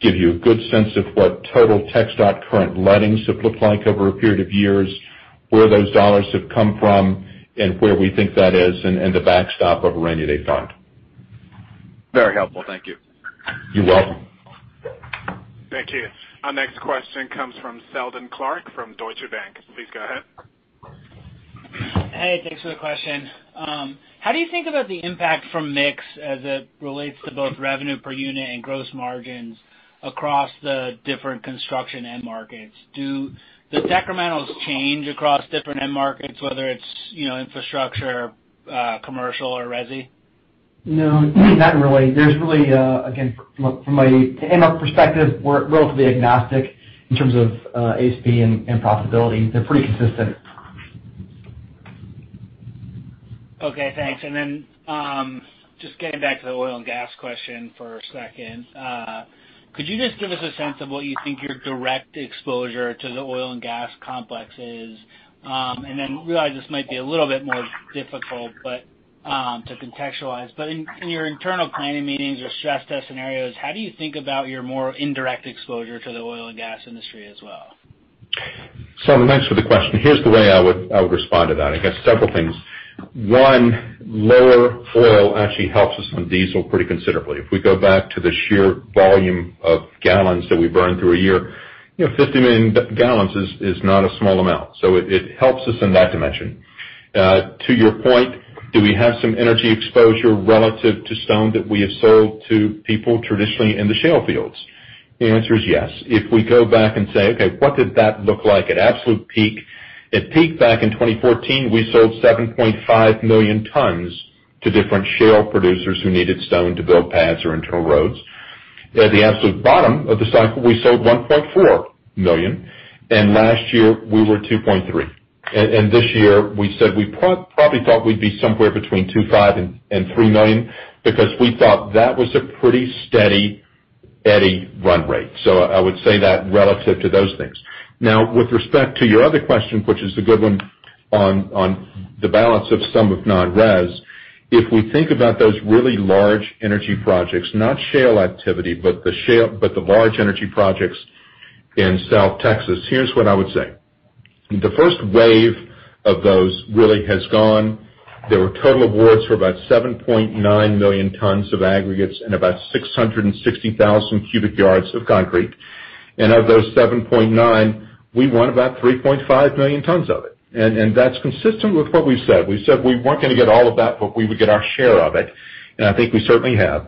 give you a good sense of what total TxDOT current lettings have looked like over a period of years, where those dollars have come from, and where we think that is, and the backstop of a rainy day fund. Very helpful. Thank you. You're welcome. Thank you. Our next question comes from Seldon Clarke from Deutsche Bank. Please go ahead. Hey, thanks for the question. How do you think about the impact from mix as it relates to both revenue per unit and gross margins across the different construction end markets? Do the decrementals change across different end markets, whether it's infrastructure, commercial or resi? No, not really. There's really, again, from my end perspective, we're relatively agnostic in terms of ASP and profitability. They're pretty consistent. Okay, thanks. Just getting back to the oil and gas question for a second. Could you just give us a sense of what you think your direct exposure to the oil and gas complex is? Realize this might be a little bit more difficult, but to contextualize. In your internal planning meetings or stress test scenarios, how do you think about your more indirect exposure to the oil and gas industry as well? Seldon, thanks for the question. Here's the way I would respond to that. I guess several things. One, lower oil actually helps us on diesel pretty considerably. If we go back to the sheer volume of gallons that we burn through a year, 50 million gallons is not a small amount. It helps us in that dimension. To your point, do we have some energy exposure relative to stone that we have sold to people traditionally in the shale fields? The answer is yes. If we go back and say, "Okay, what did that look like at absolute peak?" At peak back in 2014, we sold 7.5 million tons to different shale producers who needed stone to build pads or internal roads. At the absolute bottom of the cycle, we sold 1.4 million, and last year we were 2.3. This year, we said we probably thought we'd be somewhere between 2.5 million and 3 million because we thought that was a pretty steady-eddy run rate. I would say that relative to those things. With respect to your other question, which is a good one, on the balance of some of non-res, if we think about those really large energy projects, not shale activity, but the large energy projects in South Texas, here's what I would say. The first wave of those really has gone. There were total awards for about 7.9 million tons of aggregates and about 660,000 cu yd of concrete. Of those 7.9, we won about 3.5 million tons of it. That's consistent with what we've said. We said we weren't going to get all of that, but we would get our share of it, and I think we certainly have.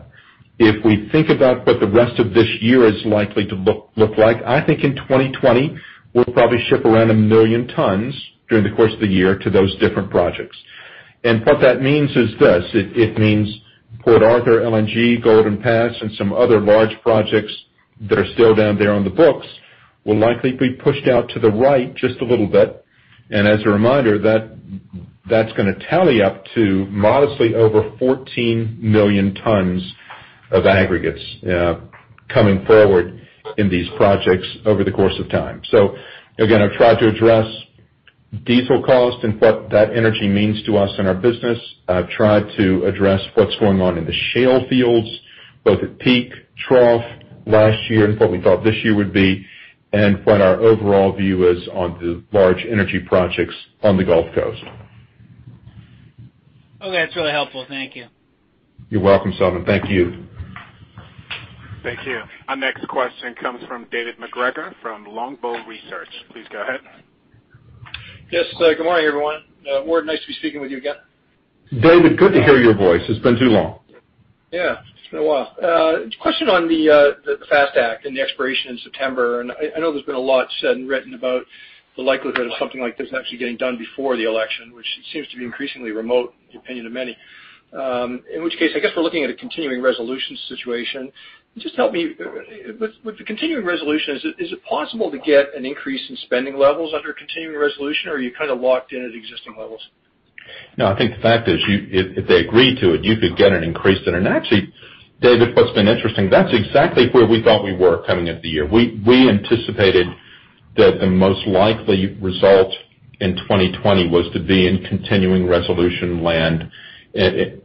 If we think about what the rest of this year is likely to look like, I think in 2020, we'll probably ship around 1 million tons during the course of the year to those different projects. What that means is this, it means Port Arthur LNG, Golden Pass, and some other large projects that are still down there on the books will likely be pushed out to the right just a little bit. As a reminder, that's gonna tally up to modestly over 14 million tons of aggregates coming forward in these projects over the course of time. Again, I've tried to address diesel cost and what that energy means to us in our business. I've tried to address what's going on in the shale fields, both at peak, trough, last year, and what we thought this year would be, and what our overall view is on the large energy projects on the Gulf Coast. Okay, that's really helpful. Thank you. You're welcome, Seldon. Thank you. Thank you. Our next question comes from David MacGregor from Longbow Research. Please go ahead. Yes, good morning, everyone. Ward, nice to be speaking with you again. David, good to hear your voice. It's been too long. Yeah, it's been a while. Question on the FAST Act and the expiration in September. I know there's been a lot said and written about the likelihood of something like this actually getting done before the election, which seems to be increasingly remote in the opinion of many. In which case, I guess we're looking at a continuing resolution situation. Just help me. With the continuing resolution, is it possible to get an increase in spending levels under a continuing resolution, or are you kind of locked in at existing levels? No, I think the fact is, if they agree to it, you could get an increase. Actually, David, what's been interesting, that's exactly where we thought we were coming into the year. We anticipated that the most likely result in 2020 was to be in continuing resolution land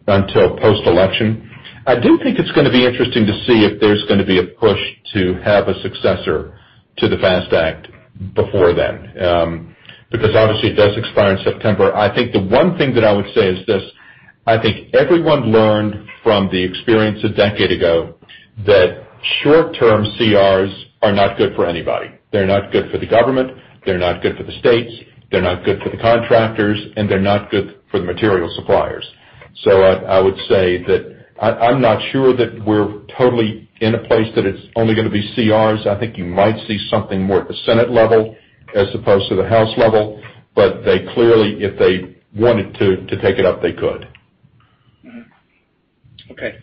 until post-election. I do think it's gonna be interesting to see if there's gonna be a push to have a successor to the FAST Act before then, because obviously, it does expire in September. I think the one thing that I would say is this, I think everyone learned from the experience a decade ago that short-term CRs are not good for anybody. They're not good for the government, they're not good for the states, they're not good for the contractors, and they're not good for the material suppliers. I would say that I'm not sure that we're totally in a place that it's only gonna be CRs. I think you might see something more at the Senate level as opposed to the House level, but they clearly, if they wanted to take it up, they could. Okay.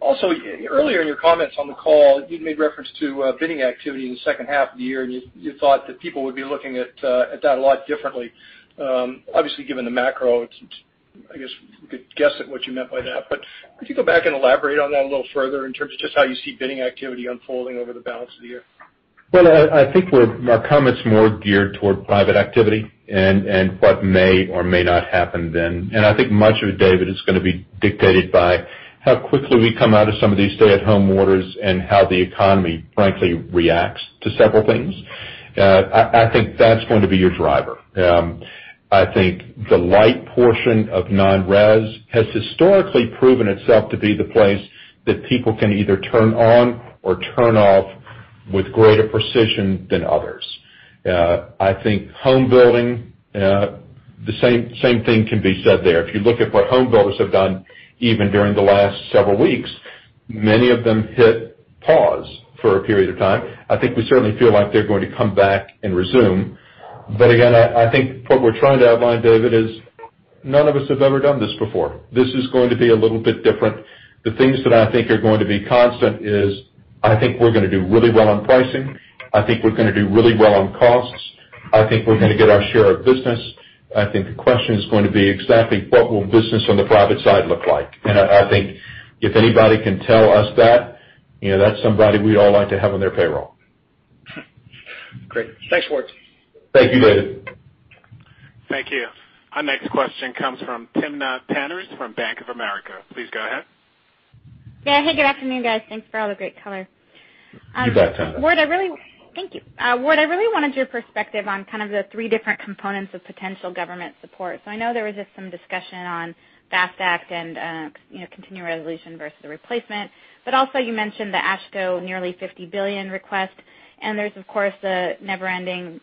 Also, earlier in your comments on the call, you'd made reference to bidding activity in the second half of the year, and you thought that people would be looking at that a lot differently. Obviously, given the macro, I guess we could guess at what you meant by that. Could you go back and elaborate on that a little further in terms of just how you see bidding activity unfolding over the balance of the year? Well, I think my comment's more geared toward private activity and what may or may not happen then. I think much of it, David, is going to be dictated by how quickly we come out of some of these stay-at-home orders and how the economy, frankly, reacts to several things. I think that's going to be your driver. I think the light portion of non-res has historically proven itself to be the place that people can either turn on or turn off with greater precision than others. I think home building, the same thing can be said there. If you look at what home builders have done even during the last several weeks, many of them hit pause for a period of time. I think we certainly feel like they're going to come back and resume. Again, I think what we're trying to outline, David, is none of us have ever done this before. This is going to be a little bit different. The things that I think are going to be constant is I think we're going to do really well on pricing. I think we're going to do really well on costs. I think we're going to get our share of business. I think the question is going to be exactly what will business on the private side look like. I think if anybody can tell us that's somebody we'd all like to have on their payroll. Great. Thanks, Ward. Thank you, David. Thank you. Our next question comes from Timna Tanners from Bank of America. Please go ahead. Hey, good afternoon, guys. Thanks for all the great color. You bet, Timna. Thank you. Ward, I really wanted your perspective on kind of the three different components of potential government support. I know there was just some discussion on FAST Act and continuing resolution versus the replacement. Also you mentioned the AASHTO nearly $50 billion request, and there's of course the never-ending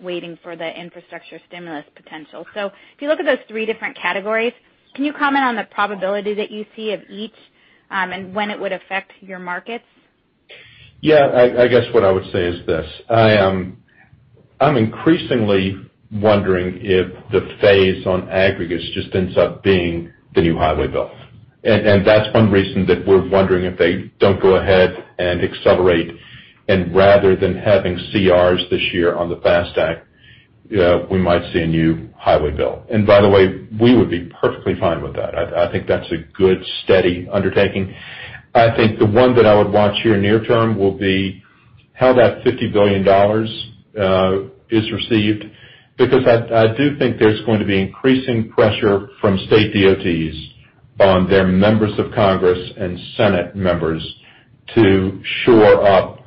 waiting for the infrastructure stimulus potential. If you look at those three different categories, can you comment on the probability that you see of each, and when it would affect your markets? Yeah, I guess what I would say is this. I'm increasingly wondering if the phase on aggregates just ends up being the new highway bill. That's one reason that we're wondering if they don't go ahead and accelerate, and rather than having CRs this year on the FAST Act, we might see a new highway bill. By the way, we would be perfectly fine with that. I think that's a good, steady undertaking. I think the one that I would watch here near-term will be how that $50 billion is received, because I do think there's going to be increasing pressure from state DOTs on their members of Congress and Senate members to shore up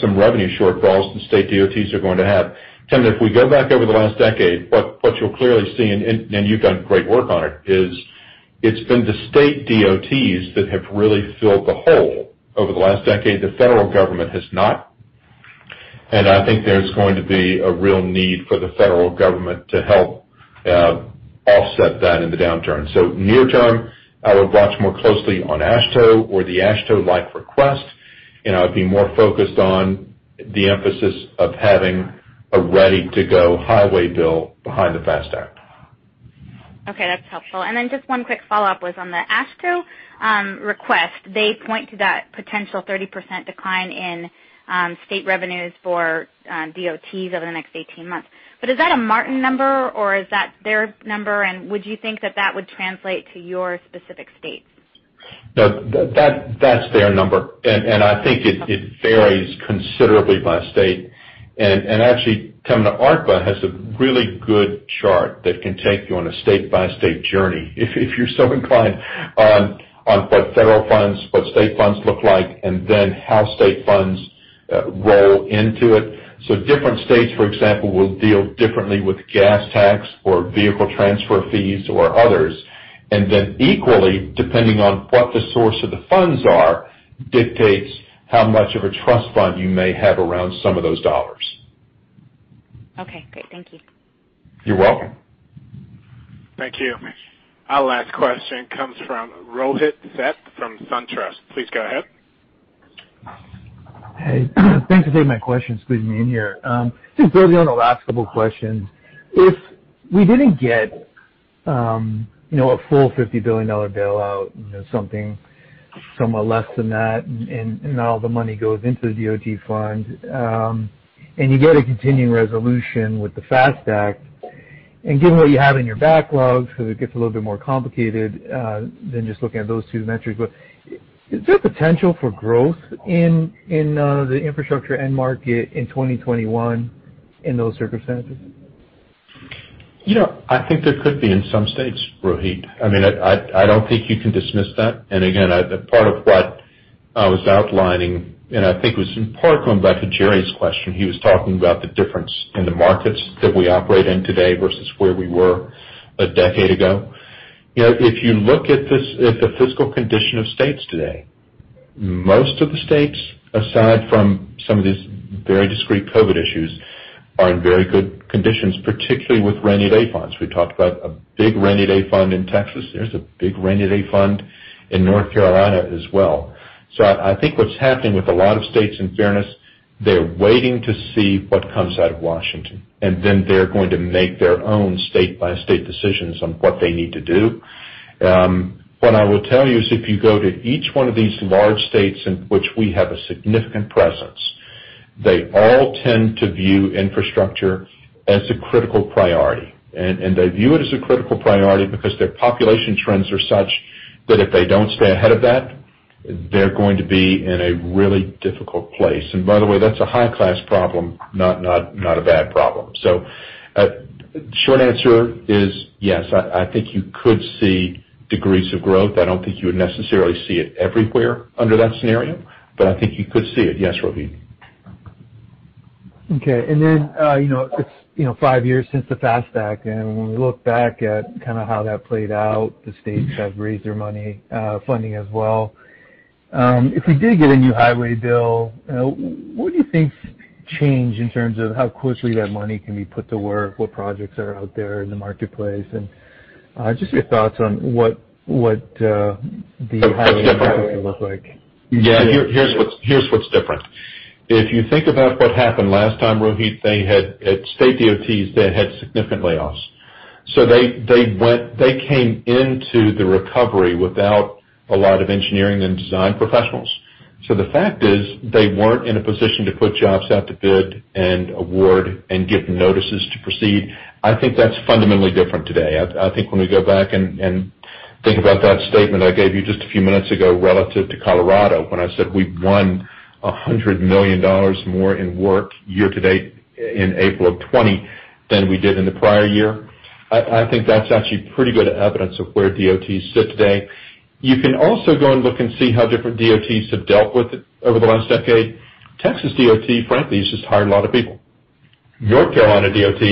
some revenue shortfalls the state DOTs are going to have. Timna, if we go back over the last decade, what you'll clearly see, and you've done great work on it, is it's been the state DOTs that have really filled the hole over the last decade. The federal government has not. I think there's going to be a real need for the federal government to help offset that in the downturn. Near-term, I would watch more closely on AASHTO or the AASHTO-like request, and I would be more focused on the emphasis of having a ready-to-go highway bill behind the FAST Act. Okay, that's helpful. Just one quick follow-up was on the AASHTO request. They point to that potential 30% decline in state revenues for DOTs over the next 18 months. Is that a Martin number or is that their number? Would you think that that would translate to your specific states? No, that's their number, and I think it varies considerably by state. Actually, Timna, ARTBA has a really good chart that can take you on a state-by-state journey, if you're so inclined, on what federal funds, what state funds look like, and then how state funds roll into it. Different states, for example, will deal differently with gas tax or vehicle transfer fees or others. Equally, depending on what the source of the funds are, dictates how much of a trust fund you may have around some of those dollars. Okay, great. Thank you. You're welcome. Thank you. Our last question comes from Rohit Seth from SunTrust. Please go ahead. Hey. Thanks for taking my question, squeezing me in here. Just building on the last couple questions. If we didn't get a full $50 billion bailout, something somewhat less than that, and all the money goes into the DOT fund, and you get a continuing resolution with the FAST Act, and given what you have in your backlog, so it gets a little bit more complicated than just looking at those two metrics. Is there potential for growth in the infrastructure end market in 2021 in those circumstances? I think there could be in some states, Rohit. I don't think you can dismiss that. Again, part of what I was outlining, and I think it was in part going back to Jerry's question. He was talking about the difference in the markets that we operate in today versus where we were a decade ago. If you look at the fiscal condition of states today, most of the states, aside from some of these very discrete COVID issues, are in very good conditions, particularly with rainy day funds. We talked about a big rainy day fund in Texas. There's a big rainy day fund in North Carolina as well. I think what's happening with a lot of states, in fairness. They're waiting to see what comes out of Washington, and then they're going to make their own state-by-state decisions on what they need to do. What I will tell you is if you go to each one of these large states in which we have a significant presence, they all tend to view infrastructure as a critical priority. They view it as a critical priority because their population trends are such that if they don't stay ahead of that, they're going to be in a really difficult place. By the way, that's a high-class problem, not a bad problem. Short answer is yes, I think you could see degrees of growth. I don't think you would necessarily see it everywhere under that scenario, but I think you could see it. Yes, Rohit? Okay. It's five years since the FAST Act, and when we look back at how that played out, the states have raised their money funding as well. If we did get a new highway bill, what do you think change in terms of how quickly that money can be put to work, what projects are out there in the marketplace? Here's what's different. If you think about what happened last time, Rohit, at state DOTs, they had significant layoffs. They came into the recovery without a lot of engineering and design professionals. The fact is, they weren't in a position to put jobs out to bid and award and give notices to proceed. I think that's fundamentally different today. I think when we go back and think about that statement I gave you just a few minutes ago relative to Colorado, when I said we've won $100 million more in work year to date in April of 2020 than we did in the prior year, I think that's actually pretty good evidence of where DOTs sit today. You can also go and look and see how different DOTs have dealt with it over the last decade. Texas DOT, frankly, has just hired a lot of people. North Carolina DOT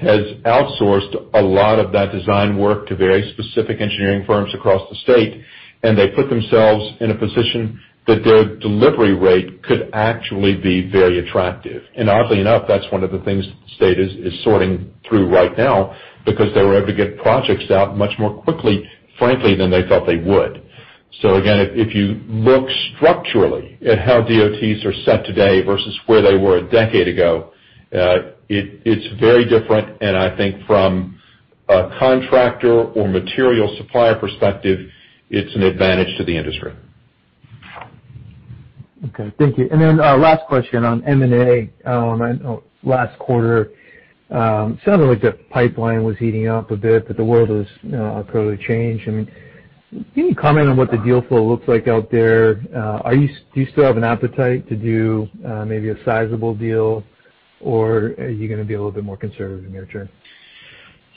has outsourced a lot of that design work to very specific engineering firms across the state. They put themselves in a position that their delivery rate could actually be very attractive. Oddly enough, that's one of the things the state is sorting through right now because they were able to get projects out much more quickly, frankly, than they thought they would. Again, if you look structurally at how DOTs are set today versus where they were a decade ago, it's very different. I think from a contractor or material supplier perspective, it's an advantage to the industry. Okay. Thank you. Last question on M&A. Last quarter, it sounded like the pipeline was heating up a bit. The world has clearly changed. Can you comment on what the deal flow looks like out there? Do you still have an appetite to do maybe a sizable deal, or are you going to be a little bit more conservative near-term?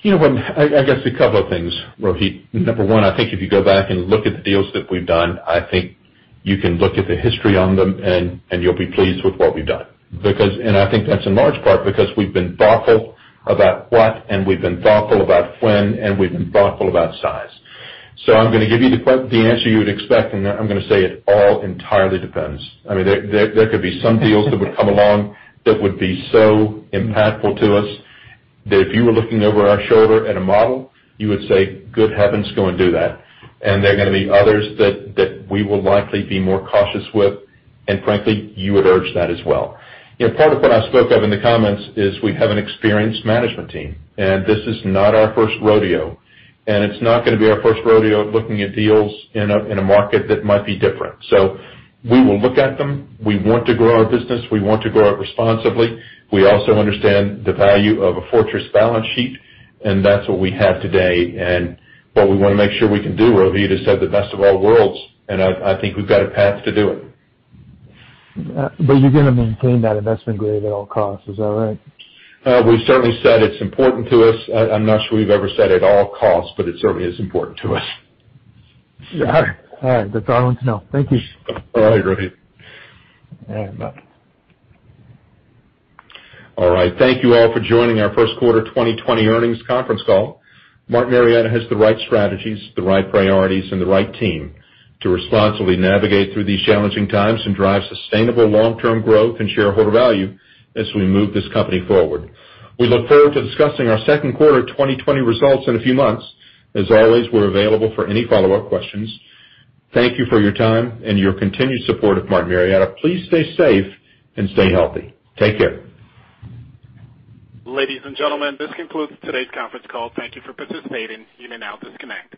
I guess a couple of things, Rohit. Number one, I think if you go back and look at the deals that we've done, I think you can look at the history on them and you'll be pleased with what we've done. I think that's in large part because we've been thoughtful about what, and we've been thoughtful about when, and we've been thoughtful about size. I'm going to give you the answer you would expect, and I'm going to say it all entirely depends. There could be some deals that would come along that would be so impactful to us that if you were looking over our shoulder at a model, you would say, "Good heavens, go and do that." There are going to be others that we will likely be more cautious with, and frankly, you would urge that as well. Part of what I spoke of in the comments is we have an experienced management team, and this is not our first rodeo, and it's not going to be our first rodeo looking at deals in a market that might be different. We will look at them. We want to grow our business. We want to grow it responsibly. We also understand the value of a fortress balance sheet, and that's what we have today. What we want to make sure we can do, Rohit, is have the best of all worlds, and I think we've got a path to do it. You're going to maintain that investment grade at all costs. Is that right? We've certainly said it's important to us. I'm not sure we've ever said at all costs, but it certainly is important to us. All right. That's all I wanted to know. Thank you. All right, Rohit. All right. Bye. All right. Thank you all for joining our first quarter 2020 earnings conference call. Martin Marietta has the right strategies, the right priorities, and the right team to responsibly navigate through these challenging times and drive sustainable long-term growth and shareholder value as we move this company forward. We look forward to discussing our second quarter 2020 results in a few months. As always, we're available for any follow-up questions. Thank you for your time and your continued support of Martin Marietta. Please stay safe and stay healthy. Take care. Ladies and gentlemen, this concludes today's conference call. Thank you for participating. You may now disconnect.